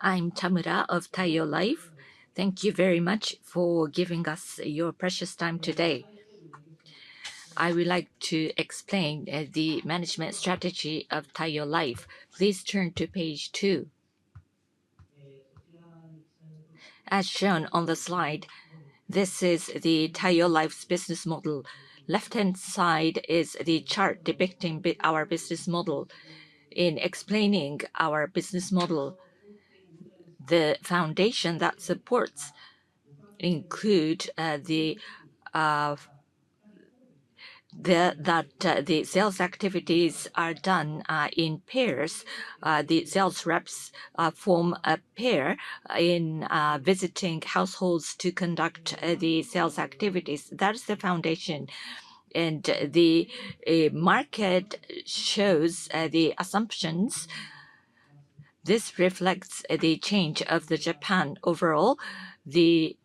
I'm Tamura of Taiyo Life. Thank you very much for giving us your precious time today. I would like to explain the management strategy of Taiyo Life. Please turn to page two. As shown on the slide, this is Taiyo Life's business model. The left-hand side is the chart depicting our business model. In explaining our business model, the foundation that supports includes that the sales activities are done in pairs. The sales reps form a pair in visiting households to conduct the sales activities. That is the foundation. The market shows the assumptions. This reflects the change of Japan overall. The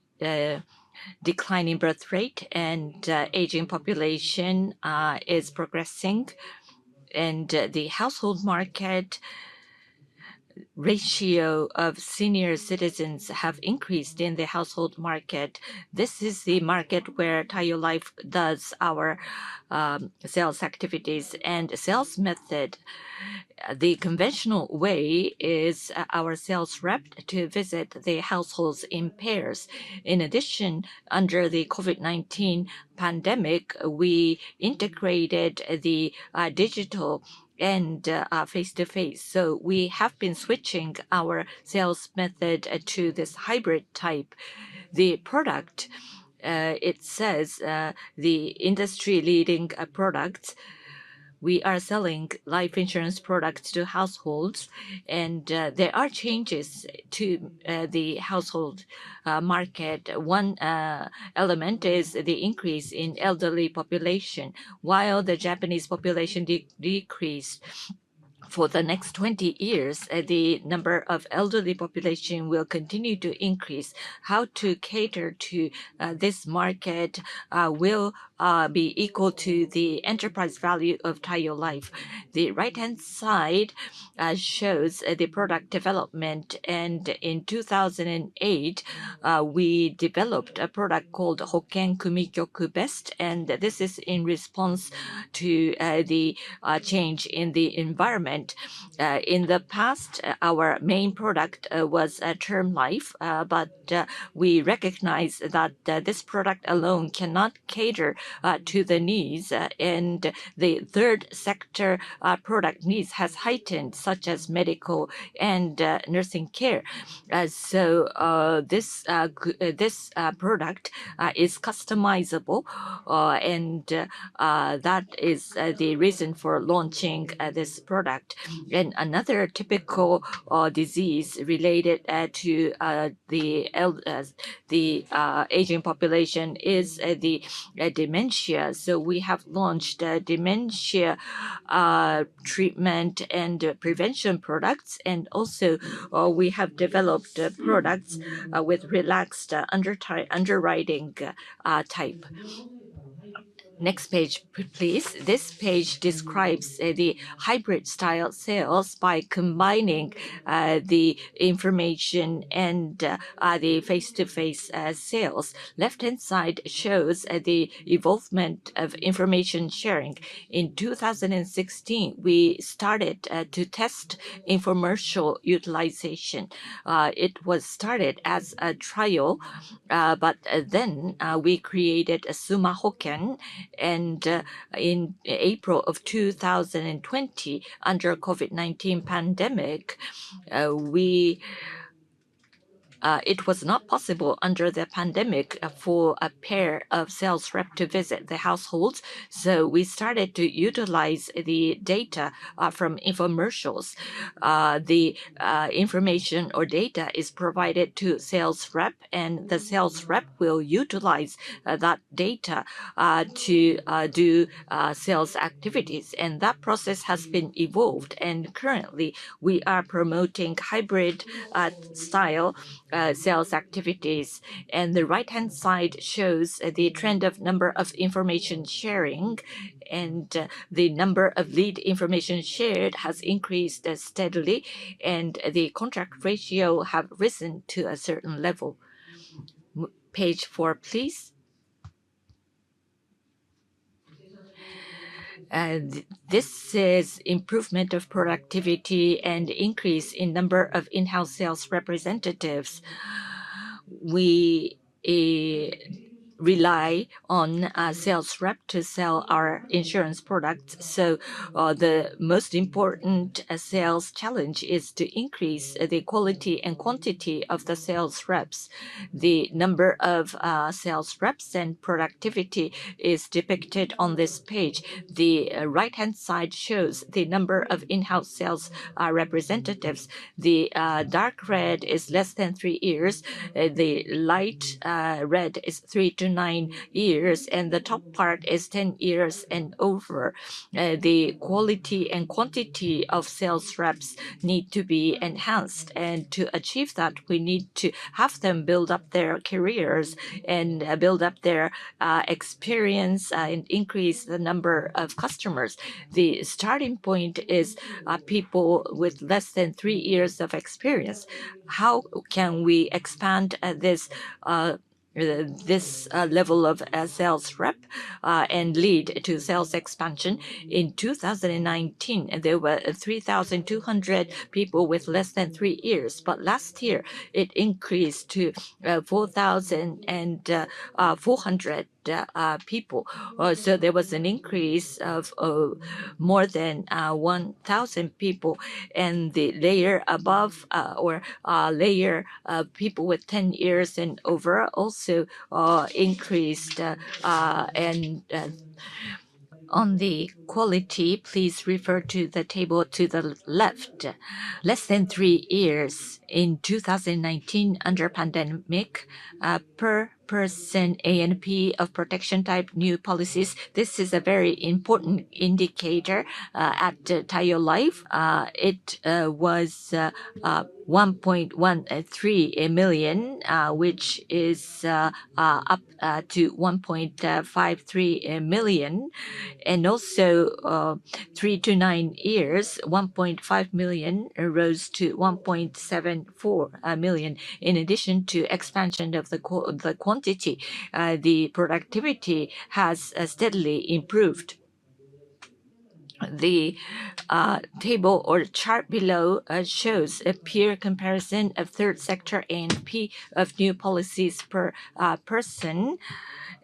declining birth rate and aging population is progressing. The household market ratio of senior citizens has increased in the household market. This is the market where Taiyo Life does our sales activities and sales method. The conventional way is our sales rep to visit the households in pairs. In addition, under the COVID-19 pandemic, we integrated the digital and face-to-face. We have been switching our sales method to this hybrid type. The product, it says, the industry-leading products. We are selling life insurance products to households. There are changes to the household market. One element is the increase in elderly population. While the Japanese population decreased, for the next 20 years, the number of elderly population will continue to increase. How to cater to this market will be equal to the enterprise value of Taiyo Life. The right-hand side shows the product development. In 2008, we developed a product called Hoken Kumikyoku Best, and this is in response to the change in the environment. In the past, our main product was Term Life, but we recognize that this product alone cannot cater to the needs. The third sector product needs have heightened, such as medical and nursing care. This product is customizable, and that is the reason for launching this product. Another typical disease related to the aging population is dementia. We have launched dementia treatment and prevention products. We have also developed products with relaxed underwriting type. Next page, please. This page describes the hybrid style sales by combining the information and the face-to-face sales. The left-hand side shows the evolvement of information sharing. In 2016, we started to test information utilization. It was started as a trial, but then we created Suma Hoken. In April of 2020, under the COVID-19 pandemic, it was not possible under the pandemic for a pair of sales reps to visit the households. We started to utilize the data from commercials. The information or data is provided to sales reps, and the sales reps will utilize that data to do sales activities. That process has evolved. Currently, we are promoting hybrid style sales activities. The right-hand side shows the trend of the number of information sharing. The number of lead information shared has increased steadily, and the contract ratio has risen to a certain level. Page four, please. This is improvement of productivity and increase in the number of in-house sales representatives. We rely on sales reps to sell our insurance products. The most important sales challenge is to increase the quality and quantity of the sales reps. The number of sales reps and productivity is depicted on this page. The right-hand side shows the number of in-house sales representatives. The dark red is less than three years. The light red is three to nine years. The top part is 10 years and over. The quality and quantity of sales reps need to be enhanced. To achieve that, we need to have them build up their careers and build up their experience and increase the number of customers. The starting point is people with less than three years of experience. How can we expand this level of sales rep and lead to sales expansion? In 2019, there were 3,200 people with less than three years. Last year, it increased to 4,400 people. There was an increase of more than 1,000 people. The layer above or layer of people with 10 years and over also increased. On the quality, please refer to the table to the left. Less than three years in 2019 under pandemic, per person ANP of protection type new policies. This is a very important indicator at Taiyo Life. It was 1.13 million, which is up to 1.53 million. Also, three to nine years, 1.5 million rose to 1.74 million. In addition to expansion of the quantity, the productivity has steadily improved. The table or chart below shows a peer comparison of third sector ANP of new policies per person.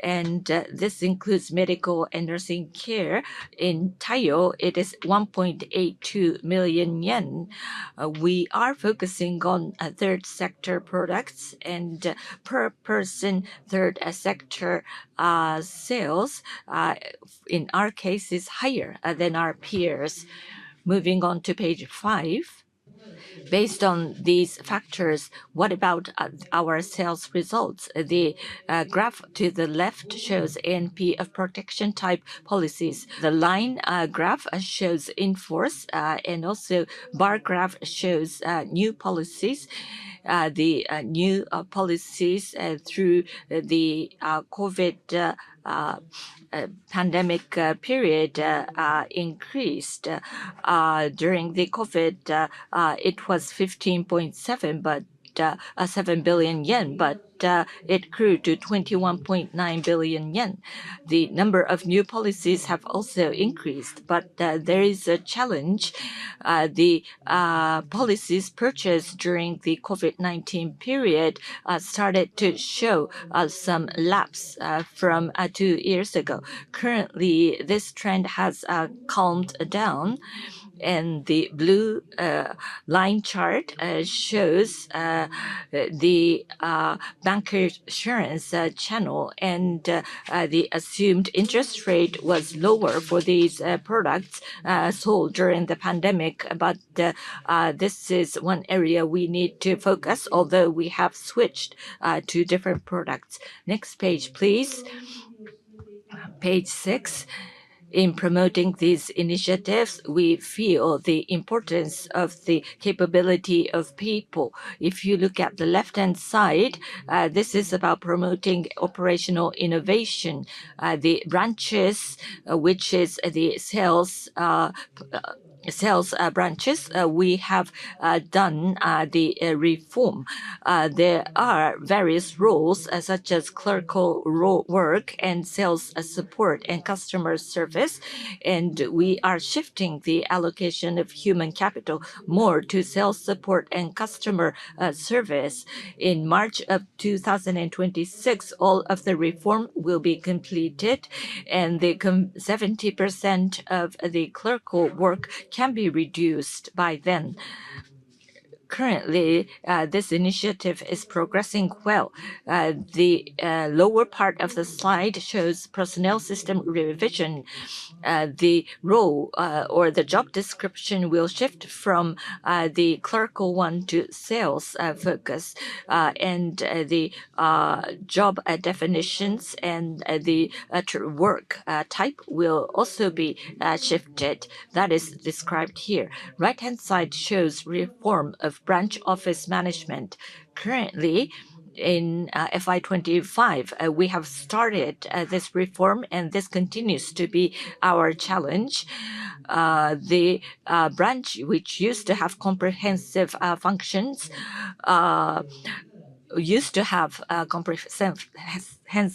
This includes medical and nursing care. In Taiyo, it is 1.82 million yen. We are focusing on third sector products. Per person, third sector sales in our case is higher than our peers. Moving on to page five. Based on these factors, what about our sales results? The graph to the left shows ANP of protection type policies. The line graph shows in force. Also, the bar graph shows new policies. The new policies through the COVID pandemic period increased. During the COVID, it was 15.7 billion yen, but it grew to 21.9 billion yen. The number of new policies has also increased. There is a challenge. The policies purchased during the COVID-19 period started to show some lapse from two years ago. Currently, this trend has calmed down. The blue line chart shows the bank insurance channel. The assumed interest rate was lower for these products sold during the pandemic. This is one area we need to focus, although we have switched to different products. Next page, please. Page six. In promoting these initiatives, we feel the importance of the capability of people. If you look at the left-hand side, this is about promoting operational innovation. The branches, which are the sales branches, we have done the reform. There are various roles, such as clerical work and sales support and customer service. We are shifting the allocation of human capital more to sales support and customer service. In March of 2026, all of the reform will be completed. 70% of the clerical work can be reduced by then. Currently, this initiative is progressing well. The lower part of the slide shows personnel system revision. The role or the job description will shift from the clerical one to sales focus. The job definitions and the work type will also be shifted. That is described here. The right-hand side shows reform of branch office management. Currently, in FY2025, we have started this reform, and this continues to be our challenge. The branch, which used to have comprehensive functions, and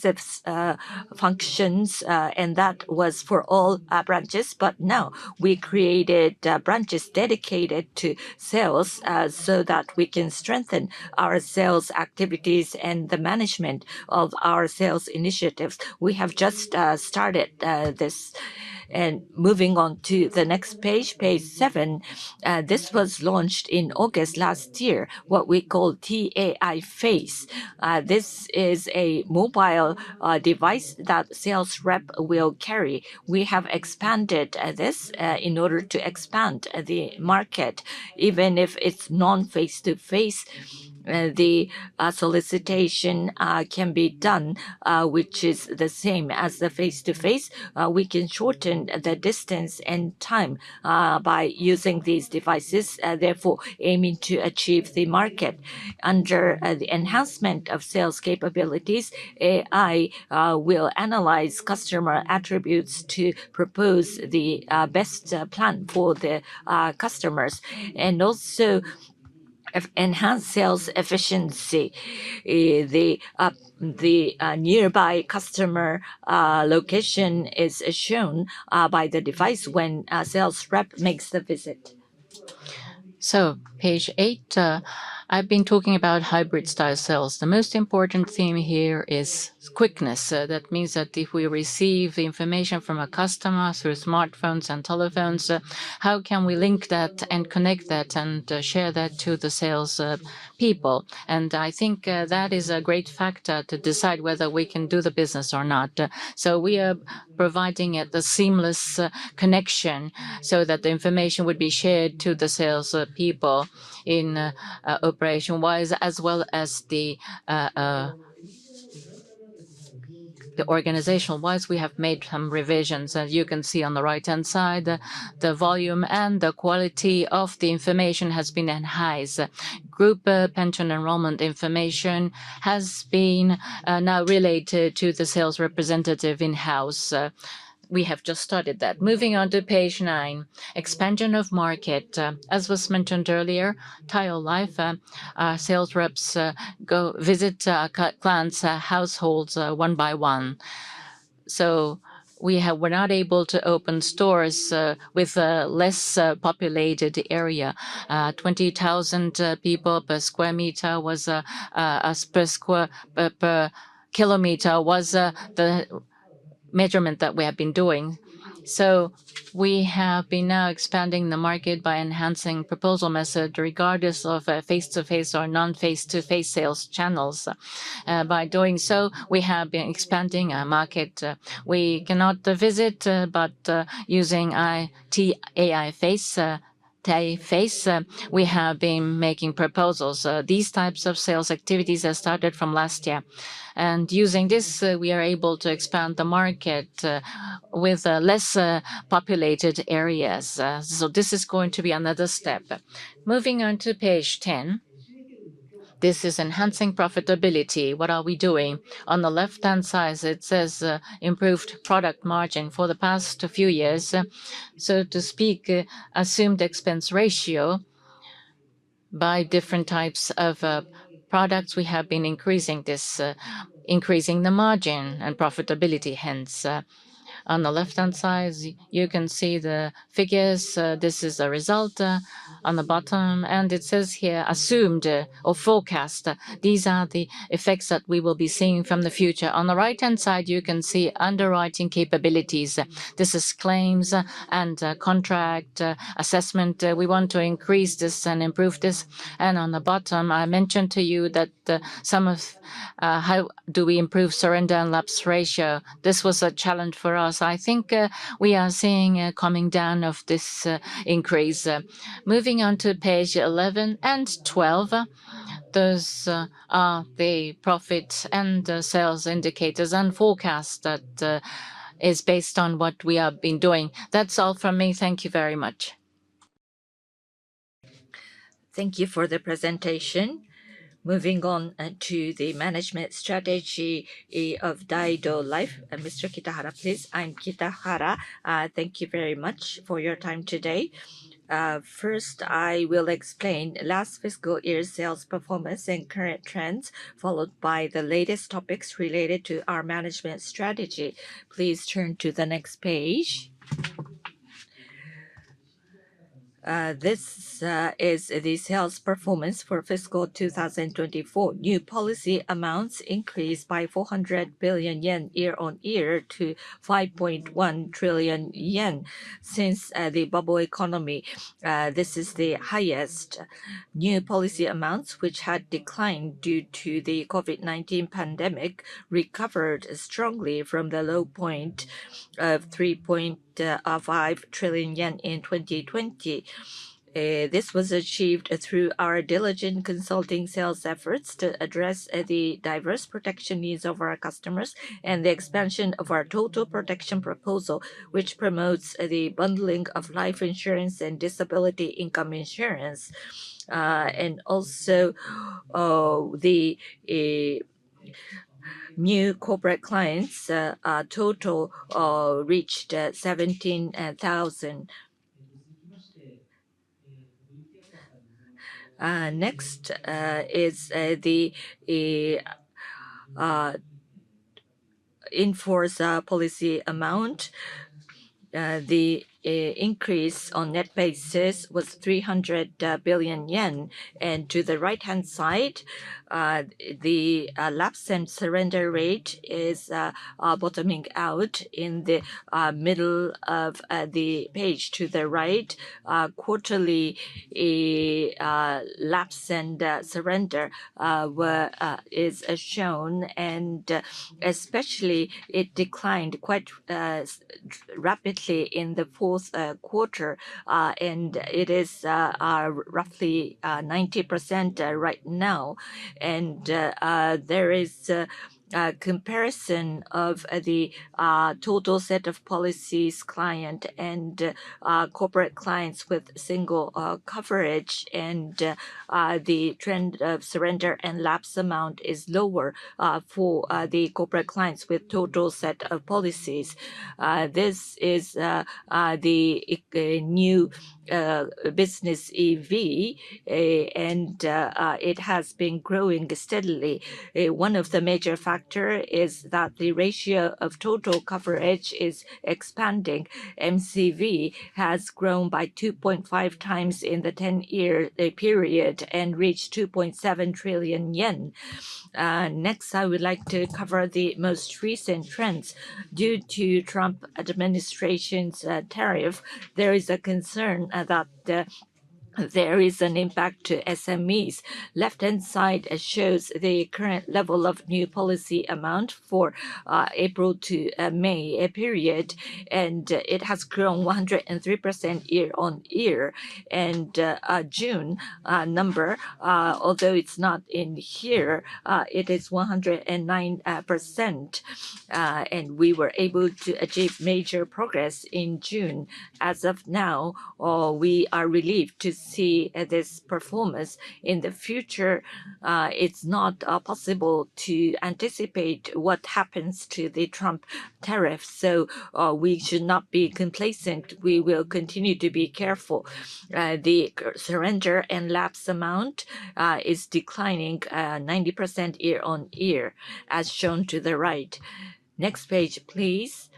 that was for all branches. Now, we created branches dedicated to sales so that we can strengthen our sales activities and the management of our sales initiatives. We have just started this. Moving on to the next page, page seven. This was launched in August last year, what we call T-AI-Face. This is a mobile device that sales rep will carry. We have expanded this in order to expand the market. Even if it's non-face-to-face, the solicitation can be done, which is the same as the face-to-face. We can shorten the distance and time by using these devices, therefore aiming to achieve the market. Under the enhancement of sales capabilities, AI will analyze customer attributes to propose the best plan for the customers and also enhance sales efficiency. The nearby customer location is shown by the device when a sales rep makes the visit. Page eight. I've been talking about hybrid style sales. The most important theme here is quickness. That means that if we receive information from a customer through smartphones and telephones, how can we link that and connect that and share that to the sales people? I think that is a great factor to decide whether we can do the business or not. We are providing the seamless connection so that the information would be shared to the sales people in operation-wise as well as the organizational-wise. We have made some revisions. As you can see on the right-hand side, the volume and the quality of the information has been enhanced. Group pension enrollment information has been now related to the sales representative in-house. We have just started that. Moving on to page nine, expansion of market. As was mentioned earlier, Taiyo Life sales reps visit clients' households one by one. We were not able to open stores with a less populated area. 20,000 people per kilometer was the measurement that we have been doing. We have been now expanding the market by enhancing proposal method regardless of face-to-face or non-face-to-face sales channels. By doing so, we have been expanding our market. We cannot visit, but using T-AI-Face, we have been making proposals. These types of sales activities have started from last year. Using this, we are able to expand the market with less populated areas. This is going to be another step. Moving on to page ten. This is enhancing profitability. What are we doing? On the left-hand side, it says improved product margin for the past few years, so to speak, assumed expense ratio. By different types of products, we have been increasing the margin and profitability. Hence, on the left-hand side, you can see the figures. This is a result on the bottom. It says here, assumed or forecast. These are the effects that we will be seeing from the future. On the right-hand side, you can see underwriting capabilities. This is claims and contract assessment. We want to increase this and improve this. On the bottom, I mentioned to you that some of how do we improve surrender and lapse ratio. This was a challenge for us. I think we are seeing a coming down of this increase. Moving on to page 11 and 12. Those are the profit and sales indicators and forecast that is based on what we have been doing. That's all from me. Thank you very much. Thank you for the presentation. Moving on to the management strategy of Daido Life. Mr. Kitahara, please. I'm Kitahara. Thank you very much for your time today. First, I will explain last fiscal year's sales performance and current trends, followed by the latest topics related to our management strategy. Please turn to the next page. This is the sales performance for fiscal 2024. New policy amounts increased by 400 billion yen year on year to 5.1 trillion yen since the bubble economy. This is the highest. New policy amounts, which had declined due to the COVID-19 pandemic, recovered strongly from the low point of 3.5 trillion yen in 2020. This was achieved through our diligent consulting sales efforts to address the diverse protection needs of our customers and the expansion of our total protection proposal, which promotes the bundling of life insurance and disability income insurance. Also, the new corporate clients total reached 17,000. Next is the in-force policy amount. The increase on net basis was 300 billion yen. To the right-hand side, the lapse and surrender rate is bottoming out in the middle of the page. To the right, quarterly lapse and surrender is shown. Especially, it declined quite rapidly in the fourth quarter. It is roughly 90% right now. There is a comparison of the total set of policies client and corporate clients with single coverage. The trend of surrender and lapse amount is lower for the corporate clients with total set of policies. This is the new business EV, and it has been growing steadily. One of the major factors is that the ratio of total coverage is expanding. MCV has grown by 2.5x in the 10-year period and reached 2.7 trillion yen. Next, I would like to cover the most recent trends. Due to the Trump administration's tariff, there is a concern that there is an impact to SMEs. The left-hand side shows the current level of new policy amount for the April to May period. It has grown 103% year-on-year. June number, although it is not in here, is 109%. We were able to achieve major progress in June. As of now, we are relieved to see this performance. In the future, it is not possible to anticipate what happens to the Trump tariff. We should not be complacent. We will continue to be careful. The surrender and lapse amount is declining 90% year-on-year, as shown to the right. Next page, please.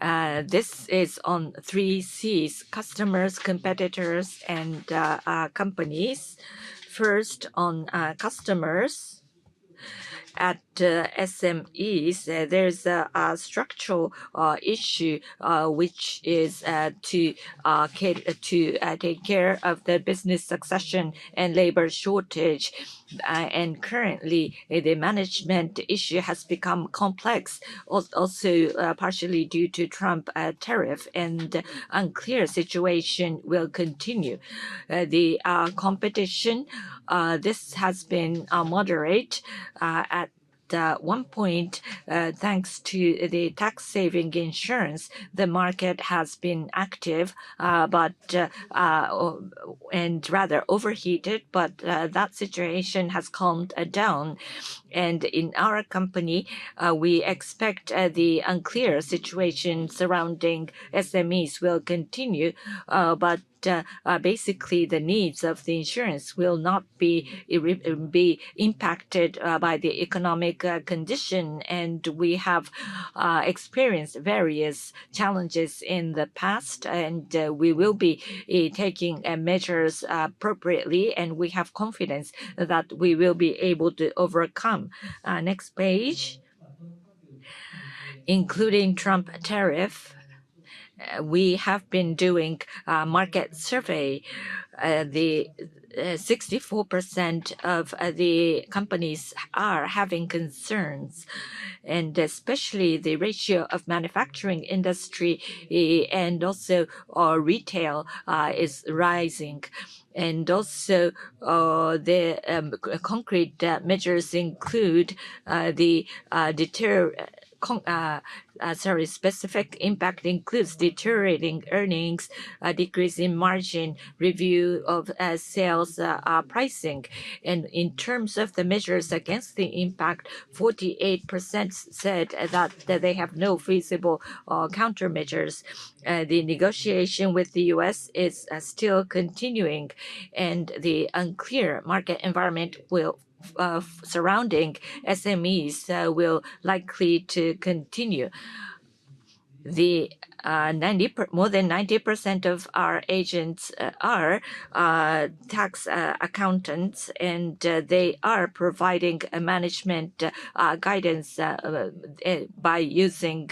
This is on three Cs, customers, competitors, and companies. First, on customers. At SMEs, there is a structural issue, which is to take care of the business succession and labor shortage. Currently, the management issue has become complex, also partially due to Trump tariff. The unclear situation will continue. The competition, this has been moderate. At one point, thanks to the tax-saving insurance, the market has been active and rather overheated, but that situation has calmed down. In our company, we expect the unclear situation surrounding SMEs will continue, but basically, the needs of the insurance will not be impacted by the economic condition. We have experienced various challenges in the past, and we will be taking measures appropriately. We have confidence that we will be able to overcome. Next page. Including Trump tariff, we have been doing a market survey. The 64% of the companies are having concerns. Especially, the ratio of manufacturing industry and also retail is rising. The concrete measures include the specific impact, which includes deteriorating earnings, decreasing margin, review of sales pricing. In terms of the measures against the impact, 48% said that they have no feasible countermeasures. The negotiation with the U.S. is still continuing. The unclear market environment surrounding SMEs will likely continue. More than 90% of our agents are tax accountants, and they are providing management guidance by using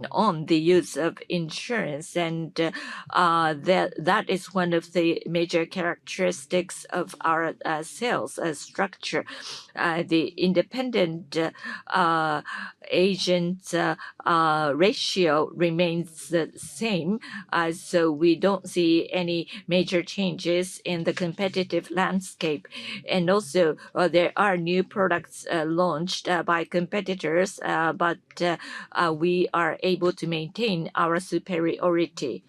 the use of insurance. That is one of the major characteristics of our sales structure. The independent agent ratio remains the same. We do not see any major changes in the competitive landscape. There are new products launched by competitors, but we are able to maintain our superiority.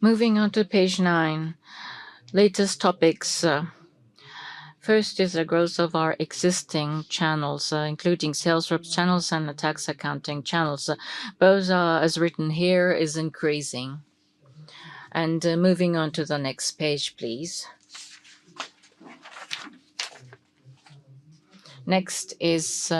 Moving on to page nine. Latest topics. First is the growth of our existing channels, including sales reps channels and the tax accounting channels. Both are, as written here, increasing. Moving on to the next page, please. Next is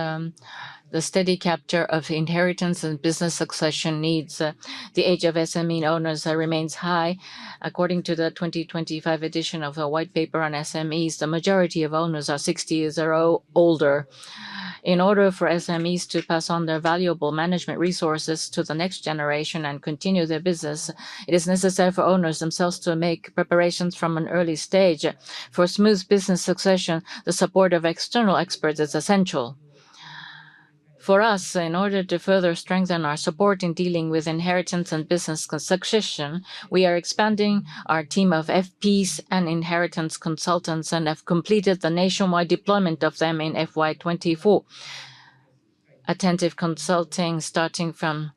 the steady capture of inheritance and business succession needs. The age of SME owners remains high. According to the 2025 edition of the white paper on SMEs, the majority of owners are 60 years or older. In order for SMEs to pass on their valuable management resources to the next generation and continue their business, it is necessary for owners themselves to make preparations from an early stage. For smooth business succession, the support of external experts is essential. For us, in order to further strengthen our support in dealing with inheritance and business succession, we are expanding our team of FPs and inheritance consultants and have completed the nationwide deployment of them in FY2024. Attentive consulting, starting from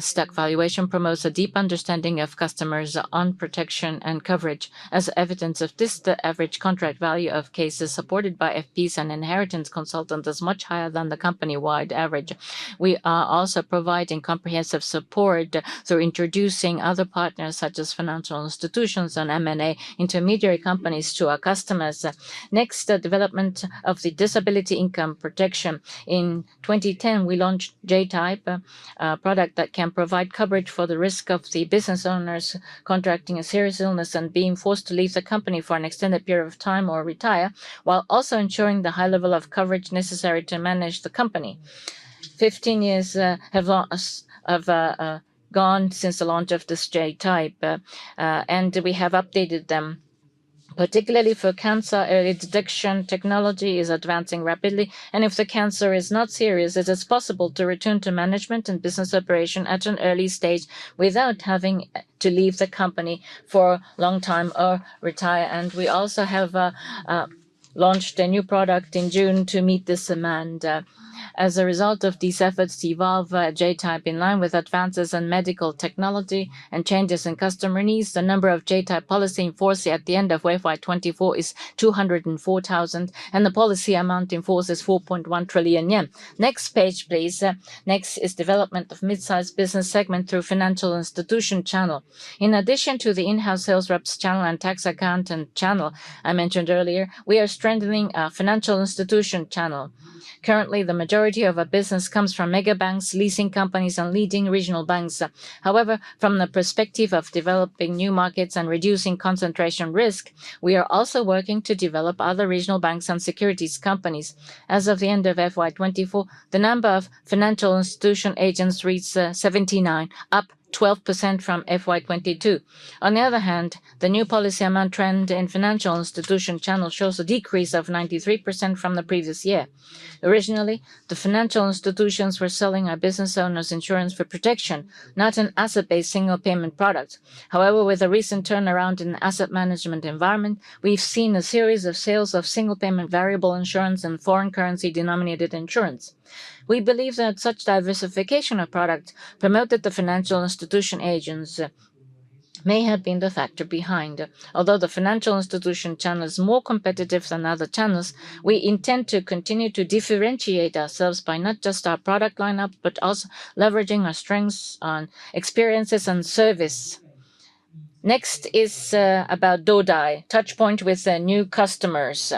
stock valuation, promotes a deep understanding of customers' own protection and coverage. As evidence of this, the average contract value of cases supported by FPs and inheritance consultants is much higher than the company-wide average. We are also providing comprehensive support through introducing other partners, such as financial institutions and M&A intermediary companies to our customers. Next, the development of the disability income protection. In 2010, we launched J-type, a product that can provide coverage for the risk of the business owners contracting a serious illness and being forced to leave the company for an extended period of time or retire, while also ensuring the high level of coverage necessary to manage the company. Fifteen years have gone since the launch of this J-type, and we have updated them. Particularly for cancer early detection, technology is advancing rapidly. If the cancer is not serious, it is possible to return to management and business operation at an early stage without having to leave the company for a long time or retire. We also have launched a new product in June to meet this demand. As a result of these efforts involve J-type in line with advances in medical technology and changes in customer needs. The number of J-type policy enforced at the end of FY2024 is 204,000, and the policy amount enforced is 4.1 trillion yen. Next page, please. Next is development of mid-size business segment through financial institution channel. In addition to the in-house sales reps channel and tax accountant channel I mentioned earlier, we are strengthening our financial institution channel. Currently, the majority of our business comes from mega banks, leasing companies, and leading regional banks. However, from the perspective of developing new markets and reducing concentration risk, we are also working to develop other regional banks and securities companies. As of the end of FY2024, the number of financial institution agents reached 79, up 12% from FY2022. On the other hand, the new policy amount trend in financial institution channel shows a decrease of 93% from the previous year. Originally, the financial institutions were selling our business owners' insurance for protection, not an asset-based single payment product. However, with a recent turnaround in the asset management environment, we've seen a series of sales of single payment variable insurance and foreign currency-denominated insurance. We believe that such diversification of product promoted the financial institution agents may have been the factor behind. Although the financial institution channel is more competitive than other channels, we intend to continue to differentiate ourselves by not just our product lineup, but also leveraging our strengths on experiences and service. Next is about Dodai??, touchpoint with new customers.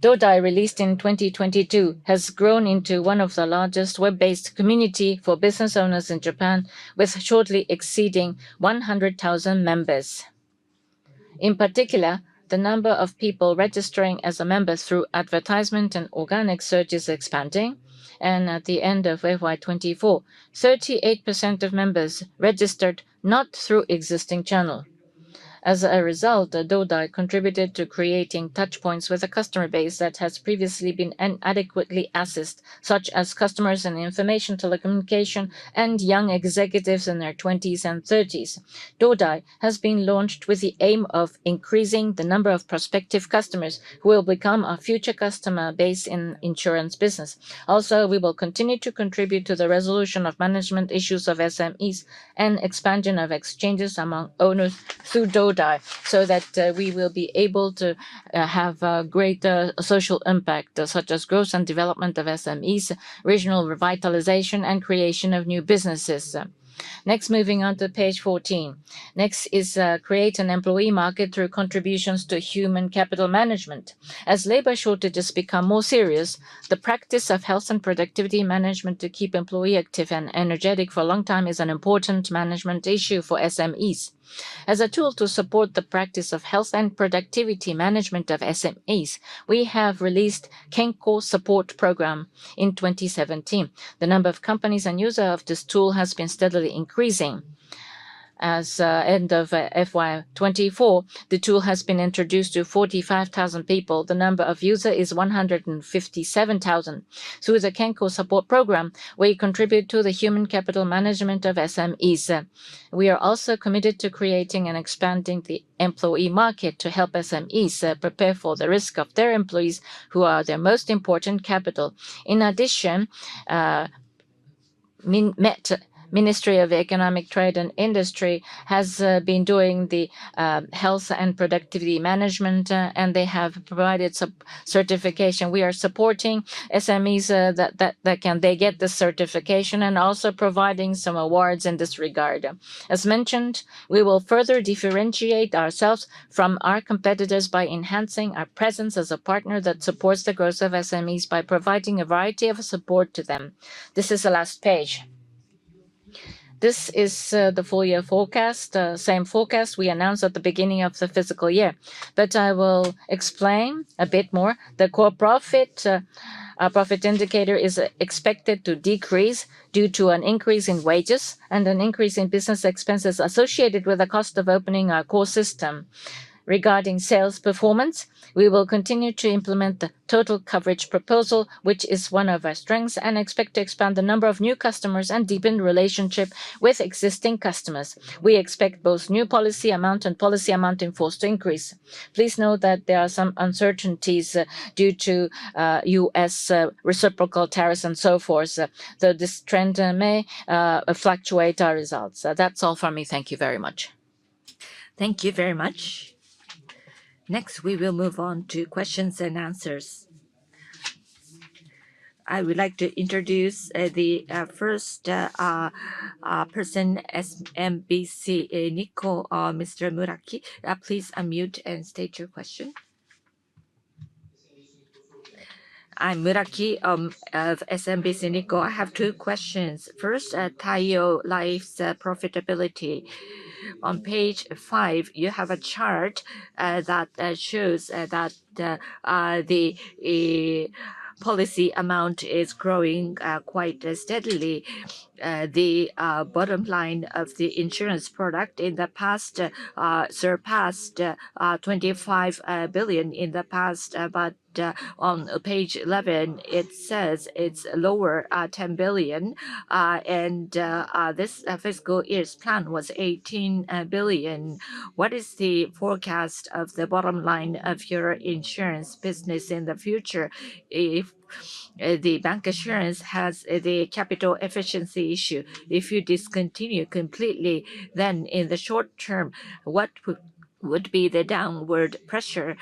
Dodai?? released in 2022, has grown into one of the largest web-based communities for business owners in Japan, with shortly exceeding 100,000 members. In particular, the number of people registering as a member through advertisement and organic search is expanding. At the end of FY2024, 38% of members registered not through existing channel. As a result, Dodai?? contributed to creating touchpoints with a customer base that has previously been inadequately assessed, such as customers in information telecommunication and young executives in their 20s and 30s. Dodai?? has been launched with the aim of increasing the number of prospective customers who will become our future customer base in the insurance business. Also, we will continue to contribute to the resolution of management issues of SMEs and expansion of exchanges among owners through Dodai?? so that we will be able to have greater social impact, such as growth and development of SMEs, regional revitalization, and creation of new businesses. Next, moving on to page 14. Next is create an employee market through contributions to human capital management. As labor shortages become more serious, the practice of health and productivity management to keep employees active and energetic for a long time is an important management issue for SMEs. As a tool to support the practice of health and productivity management of SMEs, we have released KENCO SUPPORT PROGRAM in 2017. The number of companies and users of this tool has been steadily increasing. As of the end of fiscal year 2024, the tool has been introduced to 45,000 people. The number of users is 157,000. Through the KENCO SUPPORT PROGRAM, we contribute to the human capital management of SMEs. We are also committed to creating and expanding the employee market to help SMEs prepare for the risk of their employees, who are their most important capital. In addition, the Ministry of Economy, Trade and Industry has been doing the health and productivity management, and they have provided certification. We are supporting SMEs that can get the certification and also providing some awards in this regard. As mentioned, we will further differentiate ourselves from our competitors by enhancing our presence as a partner that supports the growth of SMEs by providing a variety of support to them. This is the last page. This is the full year forecast, same forecast we announced at the beginning of the fiscal year. I will explain a bit more. The core profit indicator is expected to decrease due to an increase in wages and an increase in business expenses associated with the cost of opening our core system. Regarding sales performance, we will continue to implement the total coverage proposal, which is one of our strengths, and expect to expand the number of new customers and deepen relationships with existing customers. We expect both new policy amount and policy amount in force to increase. Please note that there are some uncertainties due to U.S. reciprocal tariffs and so forth. This trend may fluctuate our results. That's all for me. Thank you very much. Thank you very much. Next, we will move on to Q&A. I would like to introduce the first person, SMBC Nikko, Mr. Muraki. Please unmute and state your question. I'm Muraki of SMBC Nikko. I have two questions. First, Taiyo Life's profitability. On page five, you have a chart that shows that the policy amount is growing quite steadily. The bottom line of the insurance product in the past surpassed 25 billion in the past, but on page 11, it says it's lower, 10 billion, and this fiscal year's plan was 18 billion. What is the forecast of the bottom line of your insurance business in the future? If the bank assurance has the capital efficiency issue, if you discontinue completely, then in the short term, what would be the downward pressure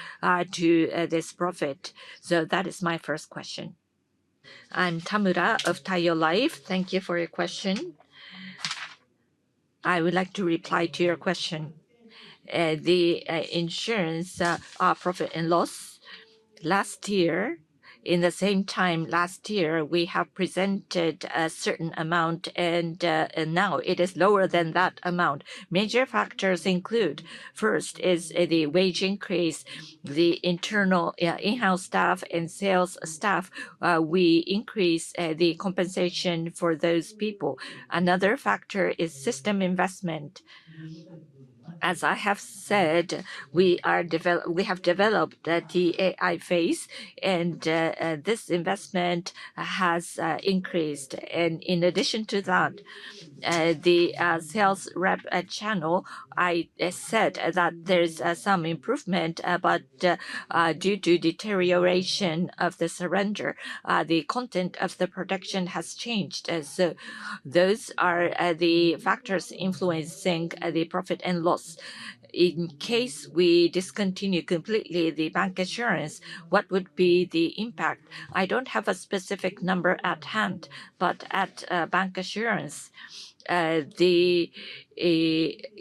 to this profit? That is my first question. I'm Tamura of Taiyo Life. Thank you for your question. I would like to reply to your question. The insurance profit and loss last year, in the same time last year, we have presented a certain amount, and now it is lower than that amount. Major factors include first is the wage increase, the internal in-house staff and sales staff. We increase the compensation for those people. Another factor is system investment. As I have said, we have developed the T-AI-Face, and this investment has increased. In addition to that, the sales rep channel, I said that there is some improvement, but due to deterioration of the surrender, the content of the production has changed. Those are the factors influencing the profit and loss. In case we discontinue completely the bank assurance, what would be the impact? I do not have a specific number at hand, but at bank assurance, the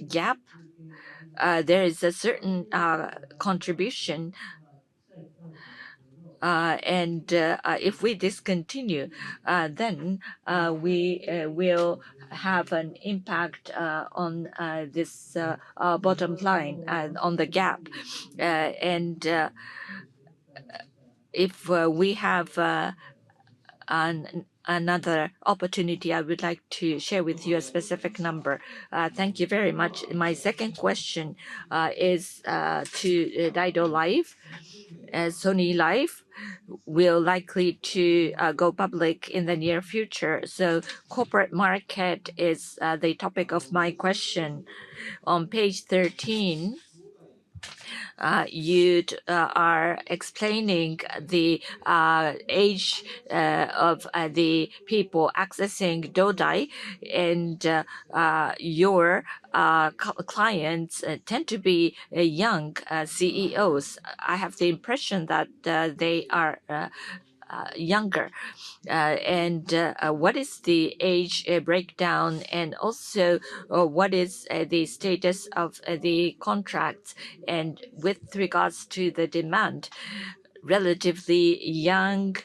gap, there is a certain contribution. If we discontinue, then we will have an impact on this bottom line and on the gap. If we have another opportunity, I would like to share with you a specific number. Thank you very much. My second question is to Daido Life. Sony Life will likely go public in the near future. Corporate market is the topic of my question. On page 13, you are explaining the age of the people accessing Dodai? and your clients tend to be young CEOs. I have the impression that they are younger. What is the age breakdown? Also, what is the status of the contracts with regards to the demand, relatively young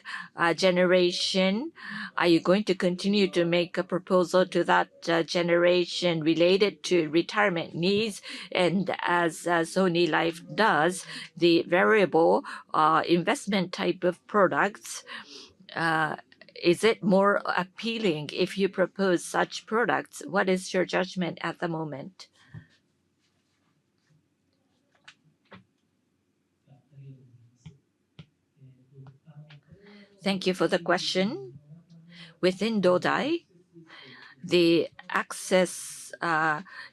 generation, are you going to continue to make a proposal to that generation related to retirement needs? As Sony Life does, the variable investment type of products, is it more appealing if you propose such products? What is your judgment at the moment? Thank you for the question. Within Dodai?, the access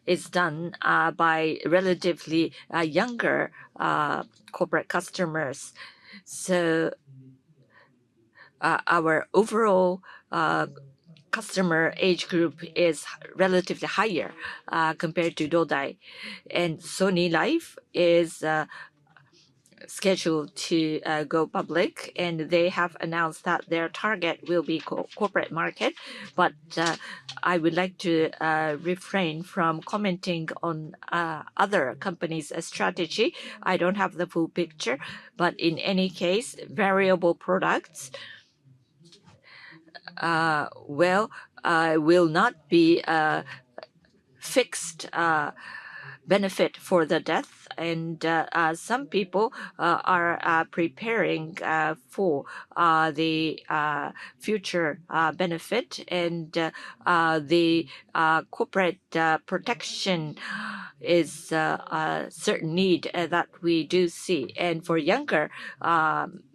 is done by relatively younger corporate customers. Our overall customer age group is relatively higher compared to Dodai?. Sony Life is scheduled to go public, and they have announced that their target will be corporate market. I would like to refrain from commenting on other companies' strategy. I do not have the full picture, but in any case, variable products will not be a fixed benefit for the death. Some people are preparing for the future benefit, and the corporate protection is a certain need that we do see. For younger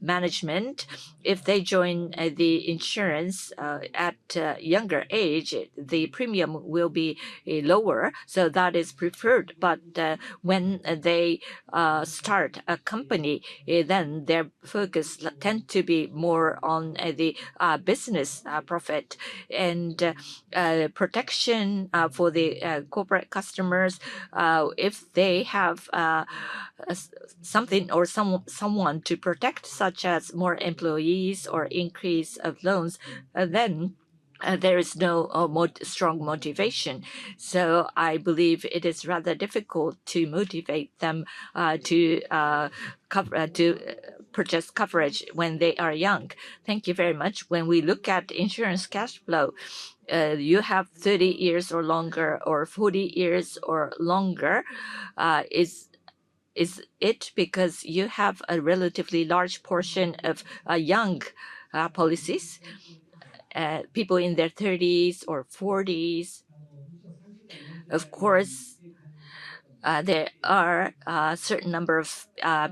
management, if they join the insurance at a younger age, the premium will be lower. That is preferred. When they start a company, their focus tends to be more on the business profit and protection for the corporate customers. If they have something or someone to protect, such as more employees or increase of loans, there is no more strong motivation. I believe it is rather difficult to motivate them to purchase coverage when they are young. Thank you very much. When we look at insurance cash flow, you have 30 years or longer or 40 years or longer. Is it because you have a relatively large portion of young policies, people in their 30s or 40s? Of course, there are a certain number of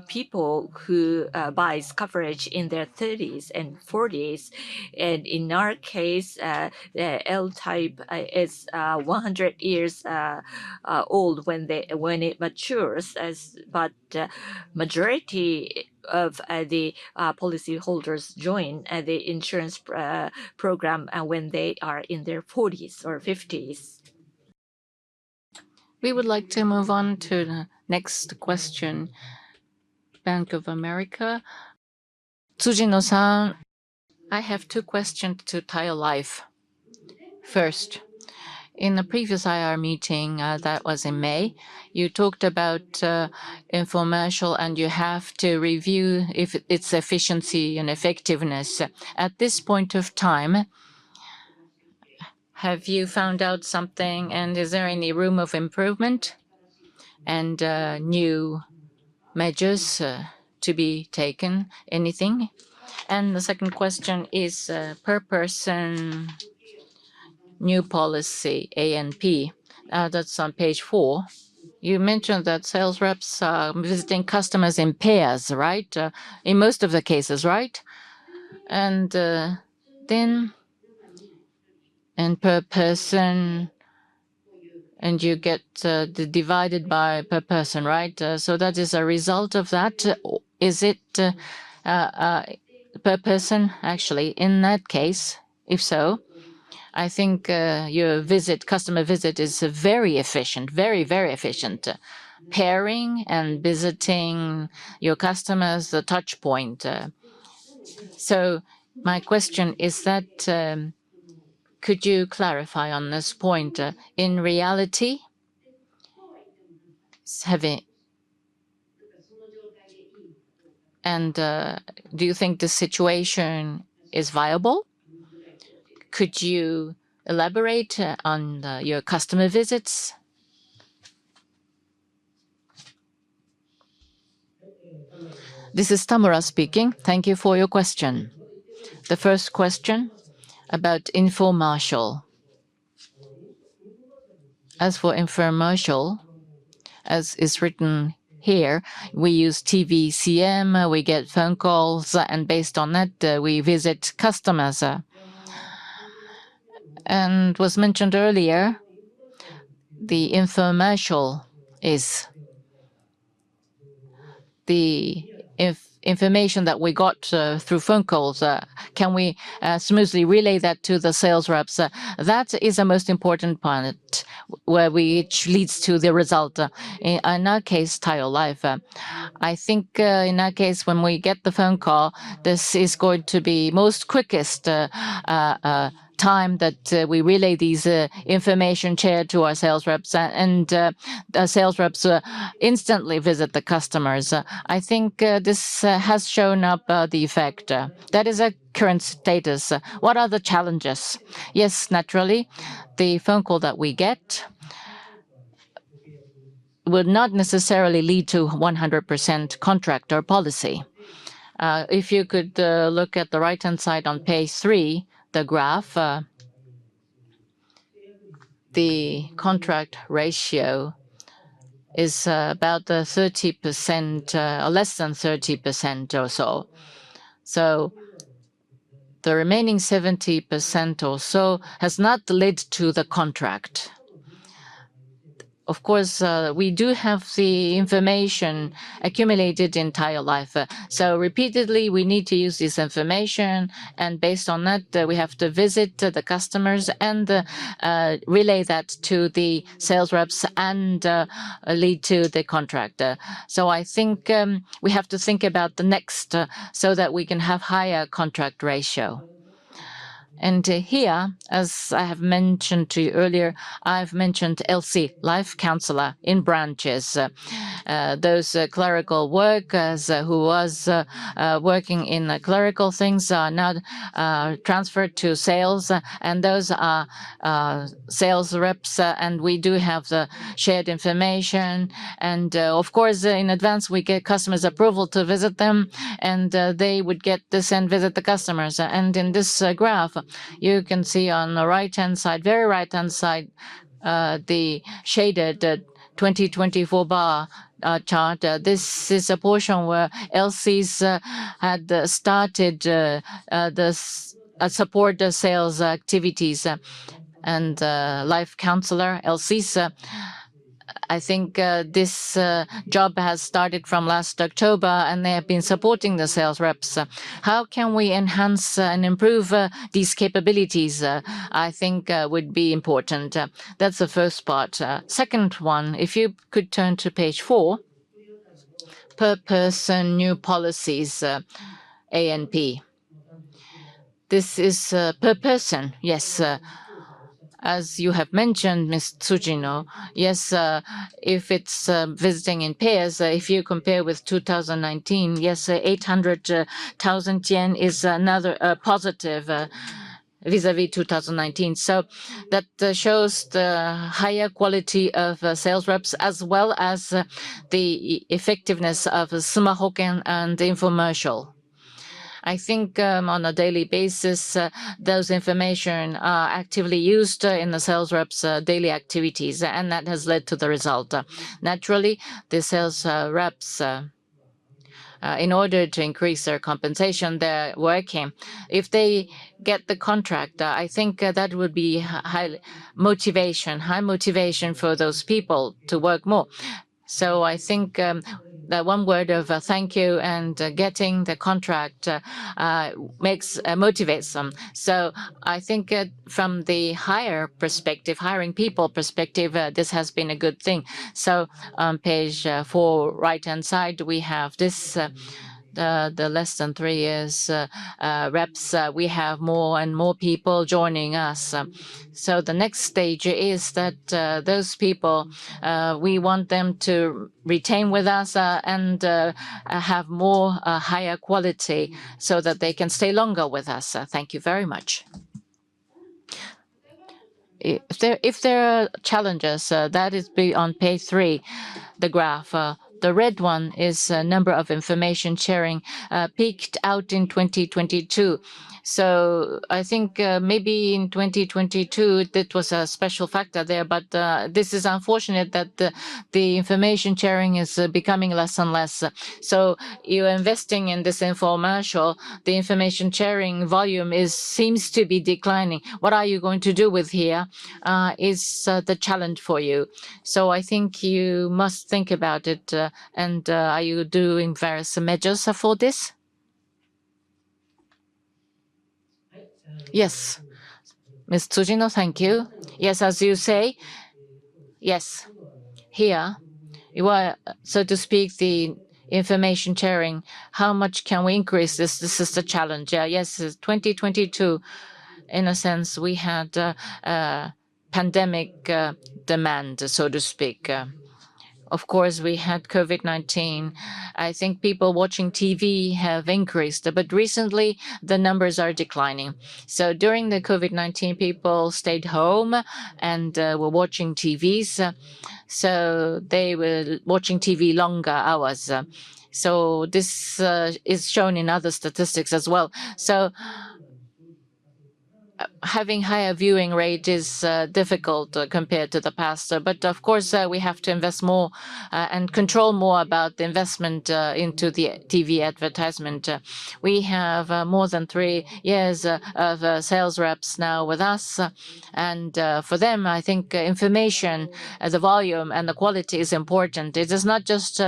people who buy coverage in their 30s and 40s. In our case, the L-type is 100 years old when it matures. The majority of the policyholders join the insurance program when they are in their 40s or 50s. We would like to move on to the next question, Bank of America, Tsujino-san. I have two questions to Taiyo Life. First, in the previous IR meeting, that was in May, you talked about information, and you have to review its efficiency and effectiveness. At this point of time, have you found out something, and is there any room of improvement and new measures to be taken? Anything? The second question is per person, new policy, ANP. That is on page four. You mentioned that sales reps are visiting customers in pairs, right? In most of the cases, right? Then per person, and you get divided by per person, right? That is a result of that. Is it per person, actually, in that case? If so, I think your customer visit is very efficient, very, very efficient. Pairing and visiting your customers, the touchpoint. My question is that could you clarify on this point? In reality, and do you think the situation is viable? Could you elaborate on your customer visits? This is Tamura speaking. Thank you for your question. The first question about information. As for information, as is written here, we use TVCM, we get phone calls, and based on that, we visit customers. As was mentioned earlier, the information is the information that we got through phone calls. Can we smoothly relay that to the sales reps? That is the most important part which leads to the result. In our case, Taiyo Life, I think in our case, when we get the phone call, this is going to be the most quickest time that we relay these information chairs to our sales reps, and our sales reps instantly visit the customers. I think this has shown up the effect. That is a current status. What are the challenges? Yes, naturally, the phone call that we get would not necessarily lead to 100% contract or policy. If you could look at the right-hand side on page three, the graph, the contract ratio is about 30% or less than 30% or so. The remaining 70% or so has not led to the contract. Of course, we do have the information accumulated in Taiyo Life. Repeatedly, we need to use this information, and based on that, we have to visit the customers and relay that to the sales reps and lead to the contract. I think we have to think about the next so that we can have a higher contract ratio. Here, as I have mentioned to you earlier, I have mentioned LC, Life Counselor in branches. Those clerical workers who were working in clerical things are now transferred to sales, and those are sales reps, and we do have the shared information. Of course, in advance, we get customers' approval to visit them, and they would get this and visit the customers. In this graph, you can see on the right-hand side, very right-hand side, the shaded 2024 bar chart. This is a portion where LCs had started to support the sales activities and life counselor LCs. I think this job has started from last October, and they have been supporting the sales reps. How can we enhance and improve these capabilities? I think would be important. That is the first part. Second one, if you could turn to page four, per person, new policies, ANP. This is per person, yes. As you have mentioned, Ms. Tsujino, yes, if it is visiting in pairs, if you compare with 2019, yes, 800,000 yen is another positive vis-à-vis 2019. That shows the higher quality of sales reps as well as the effectiveness of Suma Hoken and information. I think on a daily basis, those information are actively used in the sales reps' daily activities, and that has led to the result. Naturally, the sales reps, in order to increase their compensation, they're working. If they get the contract, I think that would be high motivation, high motivation for those people to work more. I think that one word of thank you and getting the contract motivates them. I think from the hiring people perspective, this has been a good thing. On page four, right-hand side, we have this, the less than three years reps, we have more and more people joining us. The next stage is that those people, we want them to retain with us and have more higher quality so that they can stay longer with us. Thank you very much. If there are challenges, that is on page three, the graph. The red one is the number of information sharing peaked out in 2022. I think maybe in 2022, that was a special factor there, but this is unfortunate that the information sharing is becoming less and less. You are investing in this information, the information sharing volume seems to be declining. What are you going to do with here is the challenge for you. I think you must think about it, and are you doing various measures for this? Yes. Ms. Tsujino, thank you. Yes, as you say, yes. Here, so to speak, the information sharing, how much can we increase this? This is the challenge. Yes, 2022, in a sense, we had pandemic demand, so to speak. Of course, we had COVID-19. I think people watching TV have increased, but recently, the numbers are declining. During the COVID-19, people stayed home and were watching TVs. They were watching TV longer hours. This is shown in other statistics as well. Having a higher viewing rate is difficult compared to the past. Of course, we have to invest more and control more about the investment into the TV advertisement. We have more than three years of sales reps now with us. For them, I think information, the volume, and the quality is important. It is not just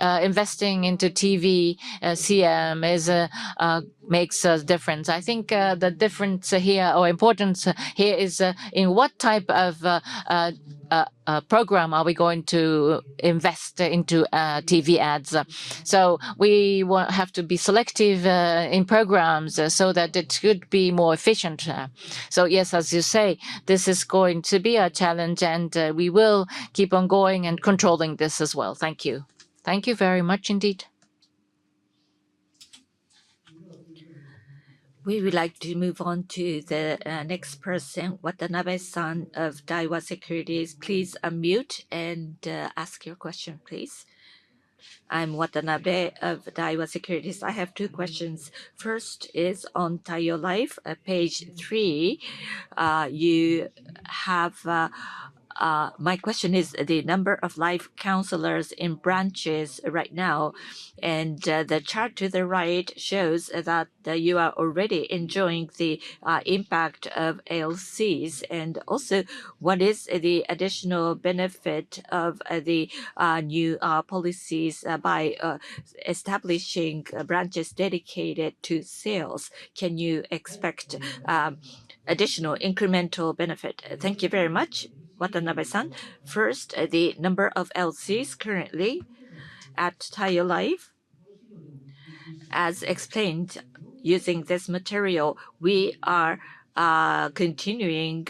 investing into TVCM that makes a difference. I think the difference here or importance here is in what type of program are we going to invest into TV ads. We have to be selective in programs so that it could be more efficient. Yes, as you say, this is going to be a challenge, and we will keep on going and controlling this as well. Thank you. Thank you very much indeed. We would like to move on to the next person, Watanabe-san, of Daiwa Securities. Please unmute and ask your question, please. I'm Watanabe of Daiwa Securities. I have two questions. First is on Taiyo Life, page three. My question is the number of life counselors in branches right now. The chart to the right shows that you are already enjoying the impact of LCs. Also, what is the additional benefit of the new policies by establishing branches dedicated to sales? Can you expect additional incremental benefit? Thank you very much, Watanabe-san. First, the number of LCs currently at Taiyo Life. As explained using this material, we are continuing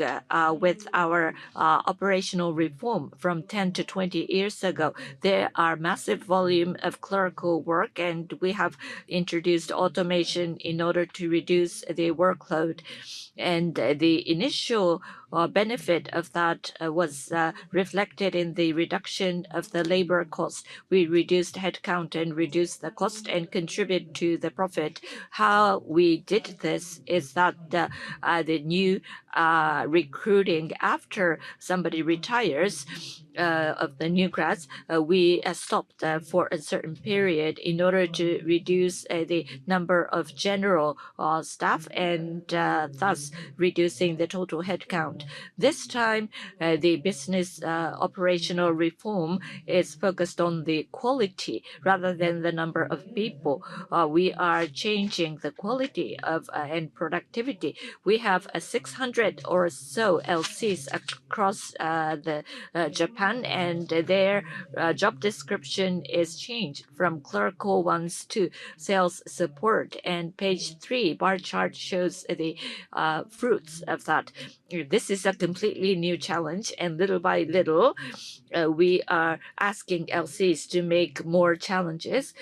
with our operational reform from 10 to 20 years ago. There are massive volumes of clerical work, and we have introduced automation in order to reduce the workload. The initial benefit of that was reflected in the reduction of the labor cost. We reduced headcount and reduced the cost and contributed to the profit. How we did this is that the new recruiting after somebody retires of the new grads, we stopped for a certain period in order to reduce the number of general staff and thus reducing the total headcount. This time, the business operational reform is focused on the quality rather than the number of people. We are changing the quality and productivity. We have 600 or so LCs across Japan, and their job description is changed from clerical ones to sales support. Page three, bar chart shows the fruits of that. This is a completely new challenge, and little by little, we are asking LCs to make more challenges.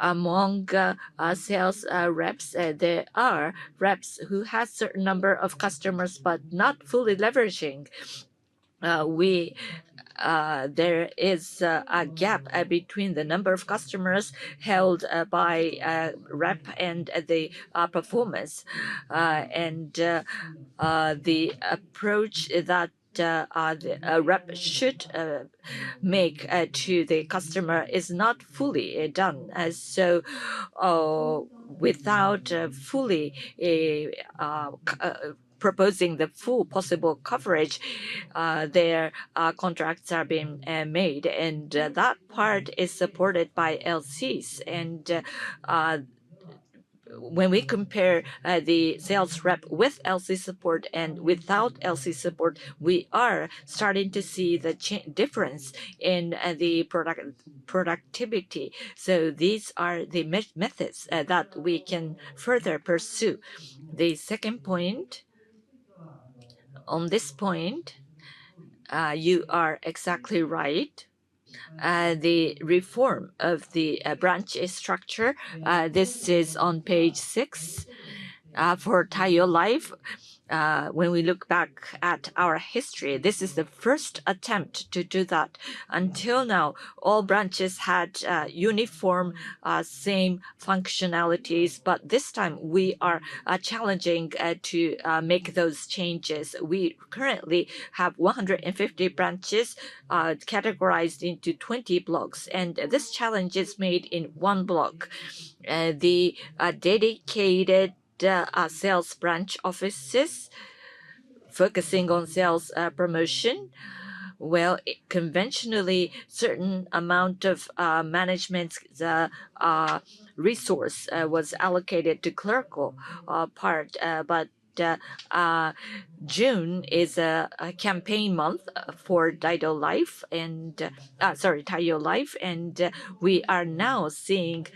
Among sales reps, there are reps who have a certain number of customers but not fully leveraging. There is a gap between the number of customers held by a rep and the performance. The approach that a rep should make to the customer is not fully done. Without fully proposing the full possible coverage, their contracts are being made. That part is supported by LCs. When we compare the sales rep with LC support and without LC support, we are starting to see the difference in the productivity. These are the methods that we can further pursue. The second point, on this point, you are exactly right. The reform of the branch structure, this is on page six for Taiyo Life. When we look back at our history, this is the first attempt to do that. Until now, all branches had uniform same functionalities, but this time, we are challenging to make those changes. We currently have 150 branches categorized into 20 blocks, and this challenge is made in one block. The dedicated sales branch offices focusing on sales promotion. Conventionally, a certain amount of management resource was allocated to clerical part, but June is a campaign month for Taiyo Life, and we are now seeing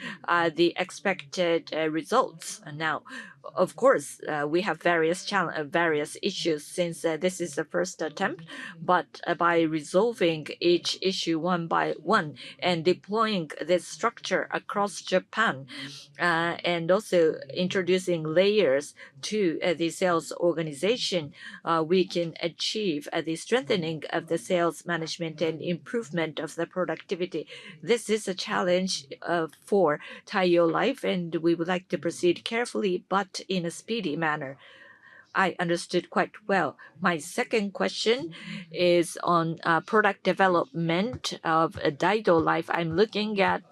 the expected results now. Of course, we have various issues since this is the first attempt, but by resolving each issue one by one and deploying this structure across Japan, and also introducing layers to the sales organization, we can achieve the strengthening of the sales management and improvement of the productivity. This is a challenge for Taiyo Life, and we would like to proceed carefully, but in a speedy manner. I understood quite well. My second question is on product development of Daido Life. I'm looking at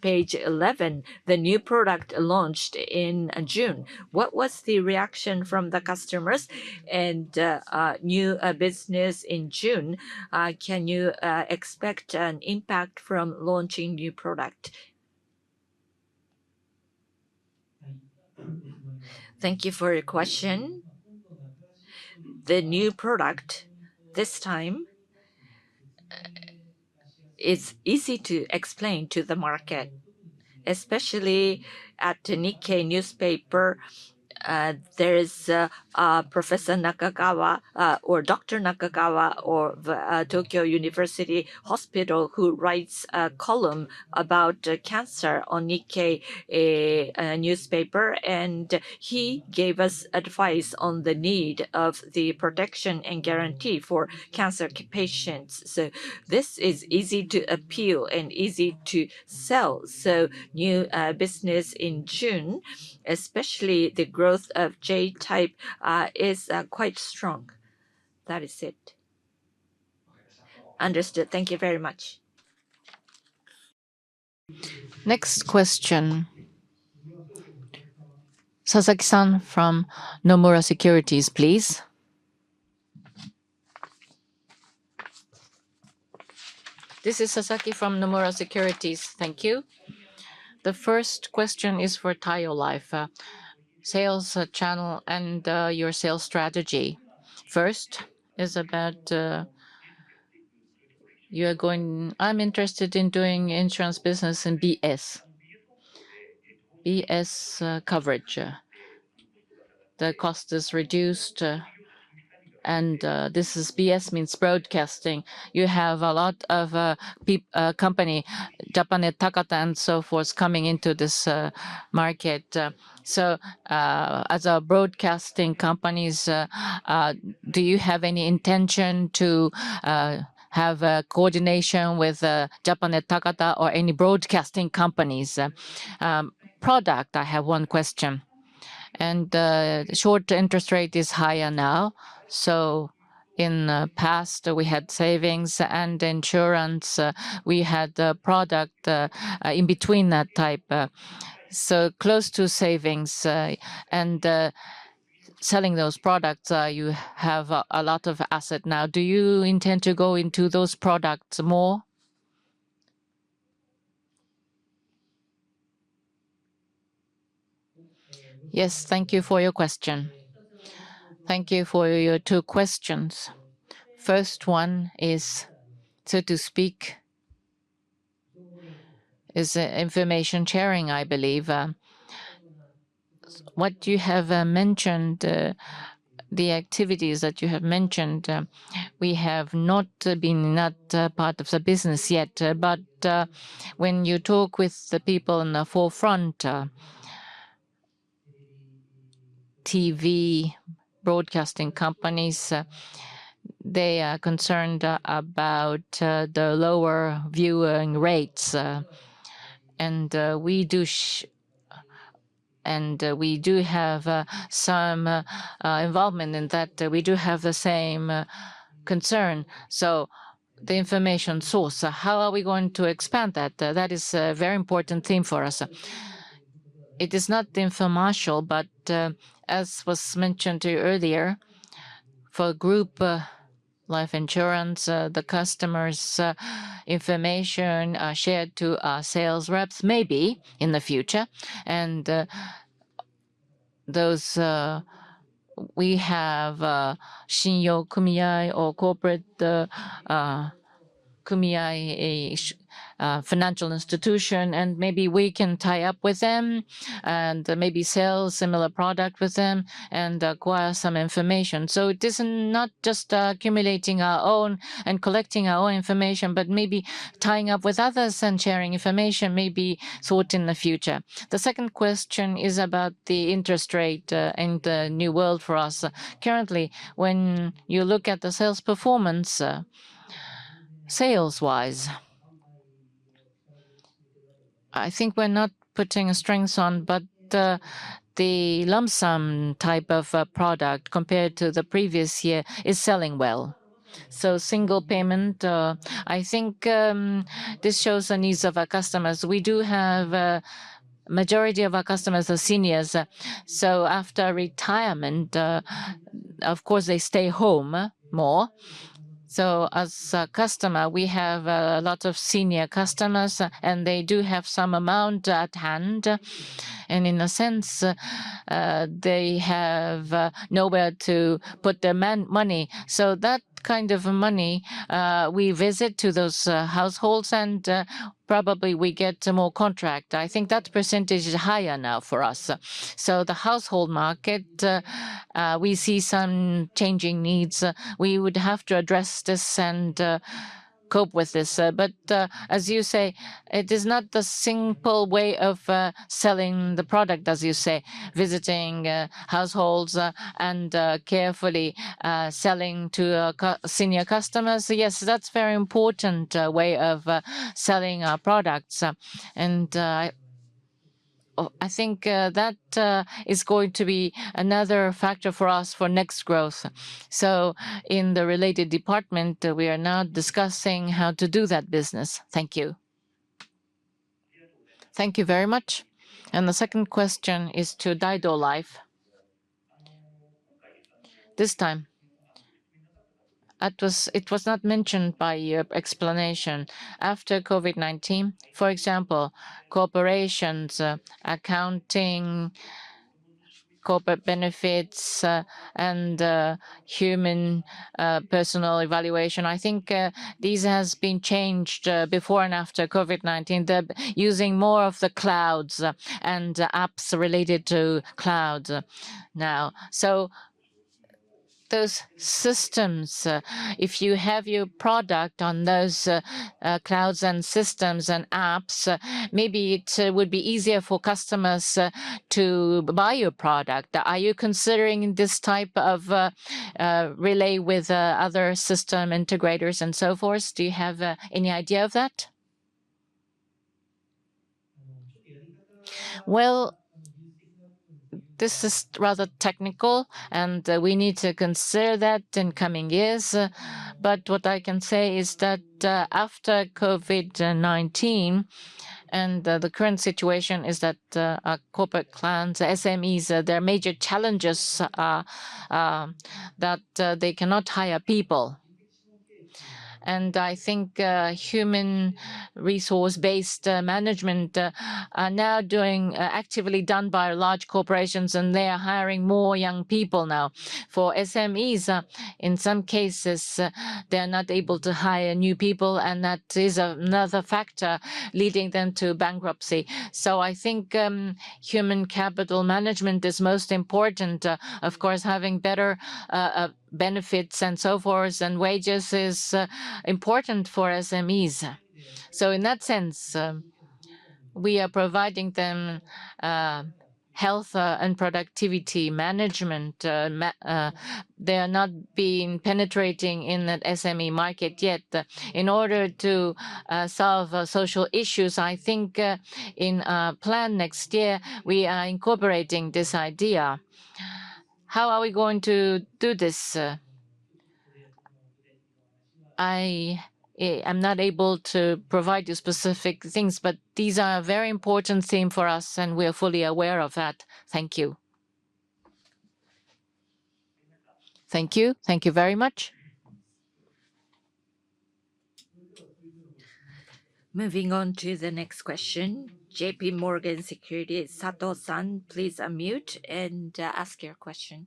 page 11, the new product launched in June. What was the reaction from the customers and new business in June? Can you expect an impact from launching new product? Thank you for your question. The new product this time is easy to explain to the market, especially at the Nikkei newspaper. There is Professor Nakagawa, or Dr. Nakagawa of Tokyo University Hospital who writes a column about cancer on Nikkei newspaper, and he gave us advice on the need of the protection and guarantee for cancer patients. This is easy to appeal and easy to sell. New business in June, especially the growth of J-type, is quite strong. That is it. Understood. Thank you very much. Next question. Sasaki-san from Nomura Securities, please. This is Sasaki from Nomura Securities. Thank you. The first question is for Taiyo Life, sales channel and your sales strategy. First is about you are going, I'm interested in doing insurance business and BS, BS coverage. The cost is reduced, and this is BS means broadcasting. You have a lot of companies, Japanet Takata and so forth, coming into this market. As a broadcasting companies, do you have any intention to have coordination with Japanet Takata or any broadcasting companies? Product, I have one question. Short interest rate is higher now. In the past, we had savings and insurance. We had product in between that type, so close to savings. Selling those products, you have a lot of asset now. Do you intend to go into those products more? Yes, thank you for your question. Thank you for your two questions. First one is, so to speak, is information sharing, I believe. What you have mentioned, the activities that you have mentioned, we have not been part of the business yet, but when you talk with the people in the forefront, TV broadcasting companies, they are concerned about the lower viewing rates. We do have some involvement in that. We do have the same concern. The information source, how are we going to expand that? That is a very important theme for us. It is not informational, but as was mentioned earlier, for group life insurance, the customers' information shared to our sales reps may be in the future. Those, we have Shinyo Kumiai or corporate kumiai financial institution, and maybe we can tie up with them and maybe sell similar products with them and acquire some information. It is not just accumulating our own and collecting our own information, but maybe tying up with others and sharing information, maybe sort in the future. The second question is about the interest rate and the new world for us. Currently, when you look at the sales performance, sales-wise, I think we're not putting strings on, but the lump sum type of product compared to the previous year is selling well. Single payment, I think this shows the needs of our customers. We do have a majority of our customers are seniors. After retirement, of course, they stay home more. As a customer, we have a lot of senior customers, and they do have some amount at hand. In a sense, they have nowhere to put their money. That kind of money, we visit those households, and probably we get more contracts. I think that percentage is higher now for us. The household market, we see some changing needs. We would have to address this and cope with this. As you say, it is not the simple way of selling the product, as you say, visiting households and carefully selling to senior customers. Yes, that's a very important way of selling our products. I think that is going to be another factor for us for next growth. In the related department, we are now discussing how to do that business. Thank you. Thank you very much. The second question is to Daido Life. This time, it was not mentioned by your explanation. After COVID-19, for example, corporations, accounting, corporate benefits, and human personal evaluation, I think these have been changed before and after COVID-19. They are using more of the clouds and apps related to cloud now. Those systems, if you have your product on those clouds and systems and apps, maybe it would be easier for customers to buy your product. Are you considering this type of relay with other system integrators and so forth? Do you have any idea of that? This is rather technical, and we need to consider that in coming years. What I can say is that after COVID-19 and the current situation is that our corporate clients, SMEs, their major challenges are that they cannot hire people. I think human resource-based management is now actively done by large corporations, and they are hiring more young people now. For SMEs, in some cases, they are not able to hire new people, and that is another factor leading them to bankruptcy. I think human capital management is most important. Of course, having better benefits and so forth and wages is important for SMEs. In that sense, we are providing them health and productivity management. They are not being penetrating in that SME market yet. In order to solve social issues, I think in a plan next year, we are incorporating this idea. How are we going to do this? I am not able to provide you specific things, but these are a very important theme for us, and we are fully aware of that. Thank you. Thank you. Thank you very much. Moving on to the next question, JP Morgan Securities, Sato-san, please unmute and ask your question.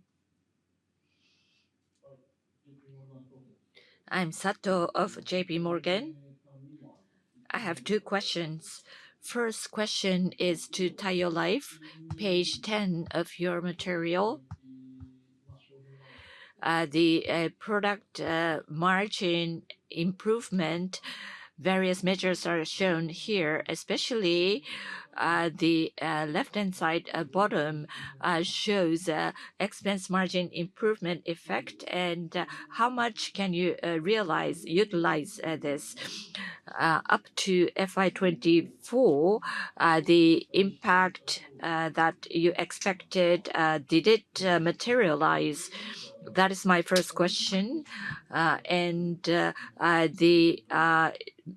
I'm Sato of JP Morgan. I have two questions. First question is to Taiyo Life, page 10 of your material. The product margin improvement, various measures are shown here, especially the left-hand side bottom shows expense margin improvement effect, and how much can you realize, utilize this? Up to FY2024, the impact that you expected, did it materialize? That is my first question. The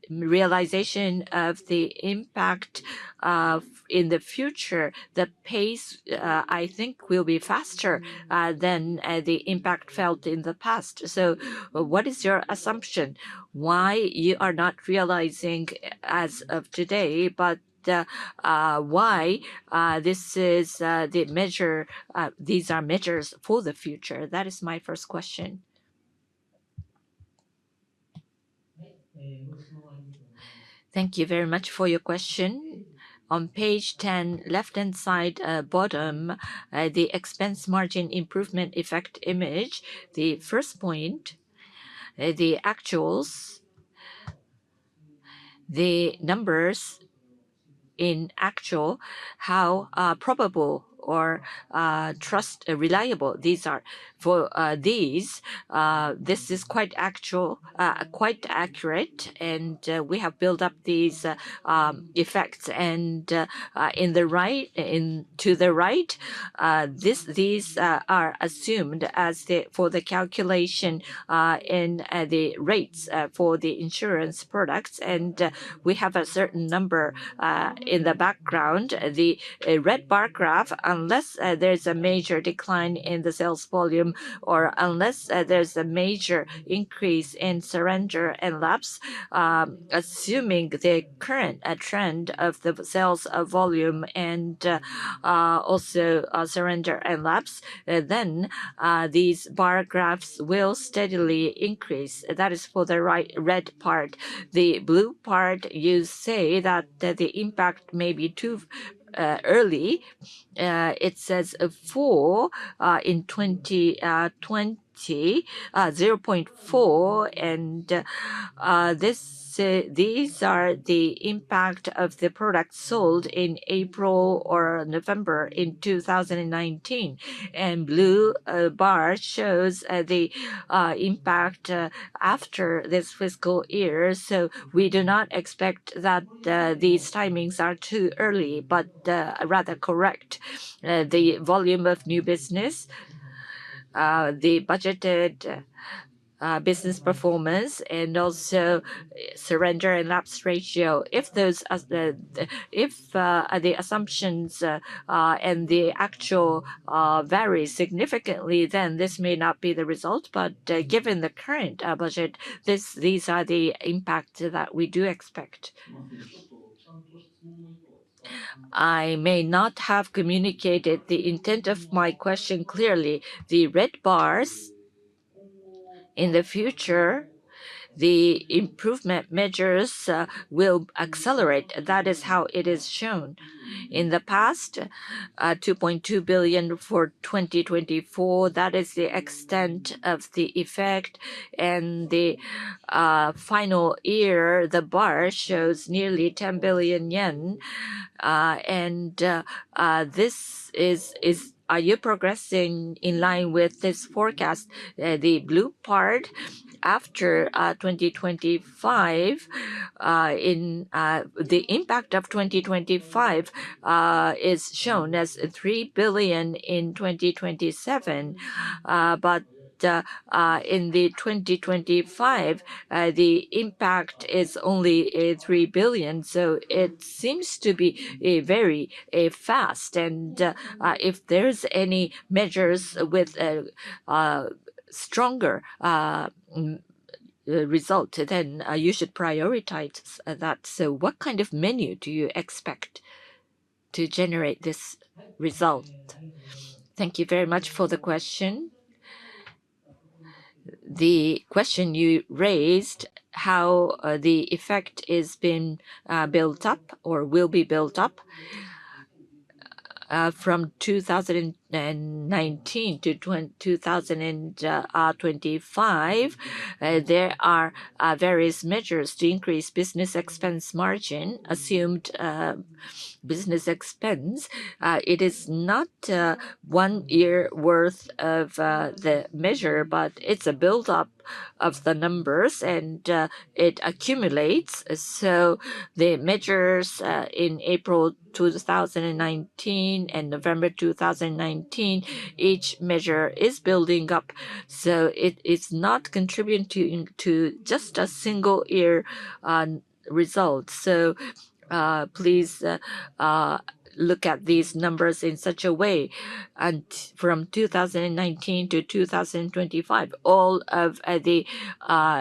realization of the impact in the future, the pace, I think, will be faster than the impact felt in the past. What is your assumption? Why you are not realizing as of today, but why this is the measure, these are measures for the future? That is my first question. Thank you very much for your question. On page 10, left-hand side bottom, the expense margin improvement effect image, the first point, the actuals, the numbers in actual, how probable or trust reliable these are. For these, this is quite actual, quite accurate, and we have built up these effects. In the right, to the right, these are assumed as for the calculation in the rates for the insurance products, and we have a certain number in the background, the red bar graph, unless there is a major decline in the sales volume or unless there is a major increase in surrender and laps, assuming the current trend of the sales volume and also surrender and laps, then these bar graphs will steadily increase. That is for the red part. The blue part, you say that the impact may be too early. It says four in 2020, 0.4, and these are the impact of the product sold in April or November in 2019. The blue bar shows the impact after this fiscal year. We do not expect that these timings are too early, but rather correct. The volume of new business, the budgeted business performance, and also surrender and lapse ratio. If the assumptions and the actual vary significantly, then this may not be the result, but given the current budget, these are the impact that we do expect. I may not have communicated the intent of my question clearly. The red bars, in the future, the improvement measures will accelerate. That is how it is shown. In the past, 2.2 billion for 2024, that is the extent of the effect. The final year, the bar shows nearly 10 billion yen. Is this, are you progressing in line with this forecast? The blue part, after 2025, the impact of 2025 is shown as 3 billion in 2027. In 2025, the impact is only 3 billion. It seems to be very fast. If there are any measures with stronger result, then you should prioritize that. What kind of menu do you expect to generate this result? Thank you very much for the question. The question you raised, how the effect has been built up or will be built up from 2019 to 2025, there are various measures to increase business expense margin, assumed business expense. It is not one year worth of the measure, but it is a build-up of the numbers, and it accumulates. The measures in April 2019 and November 2019, each measure is building up. It is not contributing to just a single year result. Please look at these numbers in such a way. From 2019 to 2025, all of the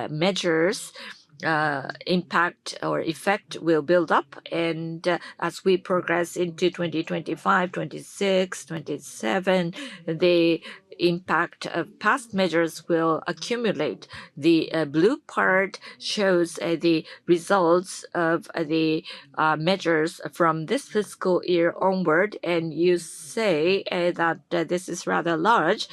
measures' impact or effect will build up. As we progress into 2025, 2026, 2027, the impact of past measures will accumulate. The blue part shows the results of the measures from this fiscal year onward. You say that this is rather large.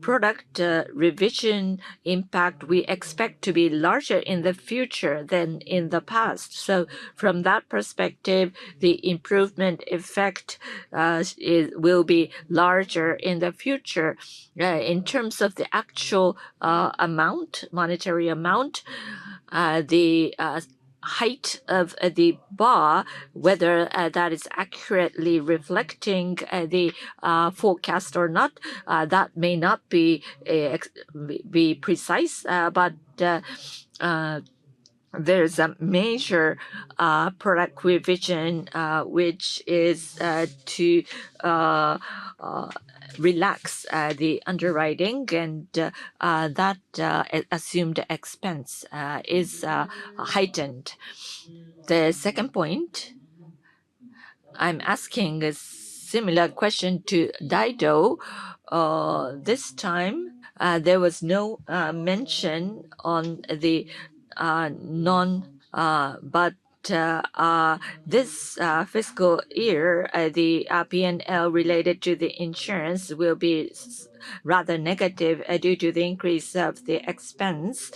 Product revision impact, we expect to be larger in the future than in the past. From that perspective, the improvement effect will be larger in the future. In terms of the actual amount, monetary amount, the height of the bar, whether that is accurately reflecting the forecast or not, that may not be precise. There is a major product revision, which is to relax the underwriting, and that assumed expense is heightened. The second point, I'm asking a similar question to Daido. This time, there was no mention on the non, but this fiscal year, the P&L related to the insurance will be rather negative due to the increase of the expense.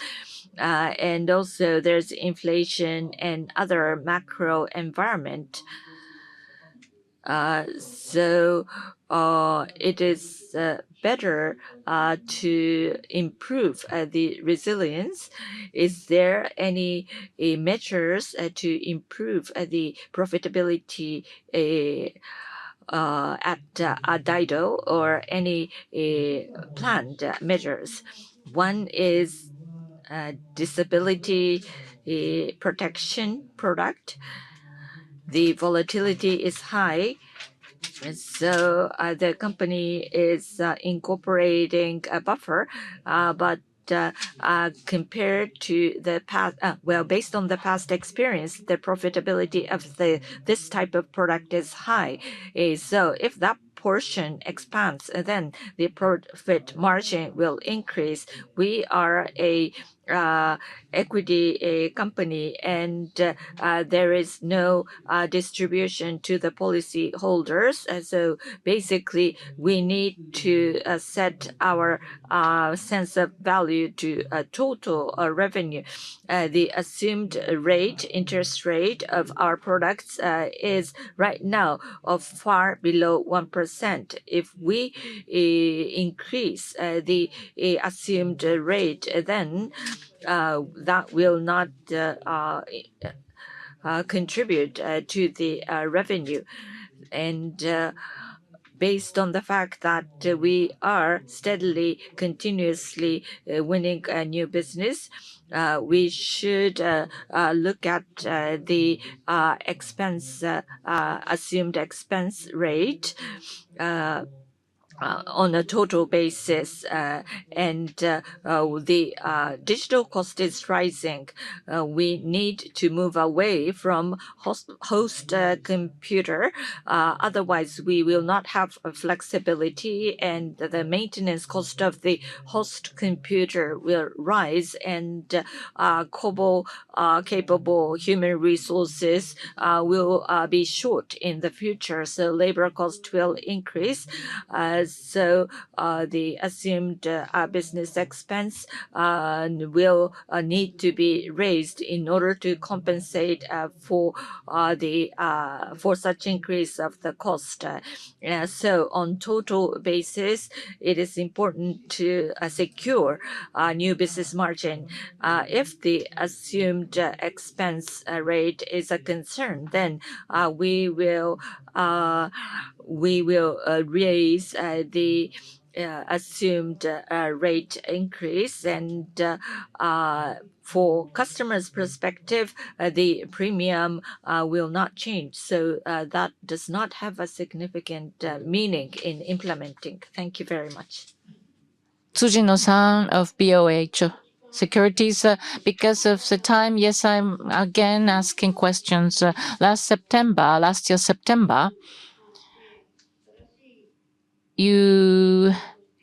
Also, there is inflation and other macro environment. It is better to improve the resilience. Is there any measures to improve the profitability at Daido or any planned measures? One is disability protection product. The volatility is high. The company is incorporating a buffer. Compared to the past, based on the past experience, the profitability of this type of product is high. If that portion expands, then the profit margin will increase. We are an equity company, and there is no distribution to the policyholders. Basically, we need to set our sense of value to total revenue. The assumed rate, interest rate of our products is right now far below 1%. If we increase the assumed rate, then that will not contribute to the revenue. Based on the fact that we are steadily, continuously winning new business, we should look at the assumed expense rate on a total basis. The digital cost is rising. We need to move away from host computer. Otherwise, we will not have flexibility, and the maintenance cost of the host computer will rise. Capable human resources will be short in the future. Labor cost will increase. The assumed business expense will need to be raised in order to compensate for such increase of the cost. On total basis, it is important to secure new business margin. If the assumed expense rate is a concern, then we will raise the assumed rate increase. For customers' perspective, the premium will not change. That does not have a significant meaning in implementing. Thank you very much. Tsujino San of Bank of America Securities. Because of the time, yes, I am again asking questions. Last September, last year, September, you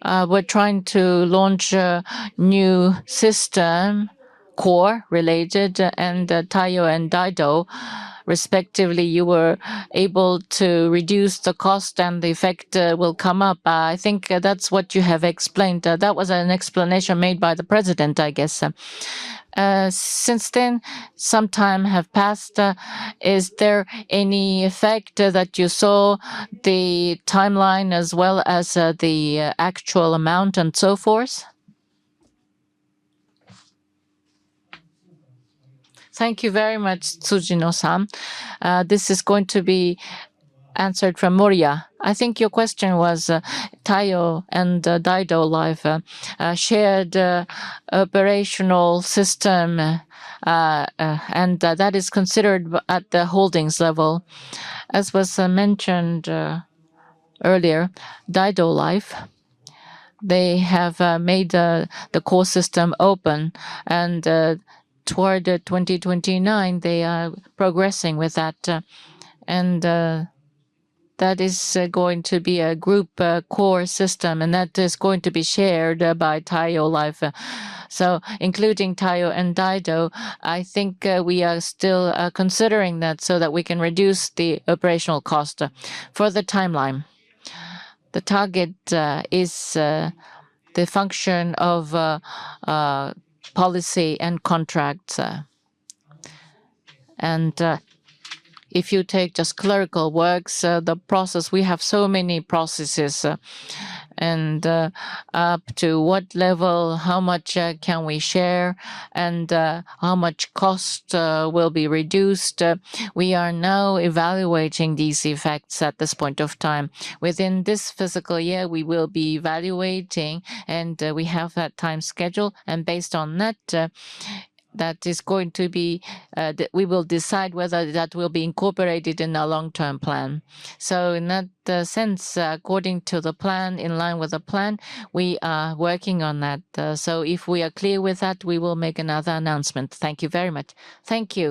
were trying to launch a new system, core related, and Taiyo and Daido, respectively. You were able to reduce the cost, and the effect will come up. I think that is what you have explained. That was an explanation made by the president, I guess. Since then, some time has passed. Is there any effect that you saw, the timeline as well as the actual amount and so forth? Thank you very much, Tsujino San. This is going to be answered from [Moriyama]. I think your question was Taiyo and Daido Life shared operational system, and that is considered at the holdings level. As was mentioned earlier, Daido Life, they have made the core system open, and toward 2029, they are progressing with that. That is going to be a group core system, and that is going to be shared by Taiyo Life. Including Taiyo and Daido, I think we are still considering that so that we can reduce the operational cost. For the timeline, the target is the function of policy and contracts. If you take just clerical works, the process, we have so many processes. Up to what level, how much can we share, and how much cost will be reduced? We are now evaluating these effects at this point of time. Within this fiscal year, we will be evaluating, and we have that time schedule. Based on that, that is going to be, we will decide whether that will be incorporated in a long-term plan. In that sense, according to the plan, in line with the plan, we are working on that. If we are clear with that, we will make another announcement. Thank you very much. Thank you.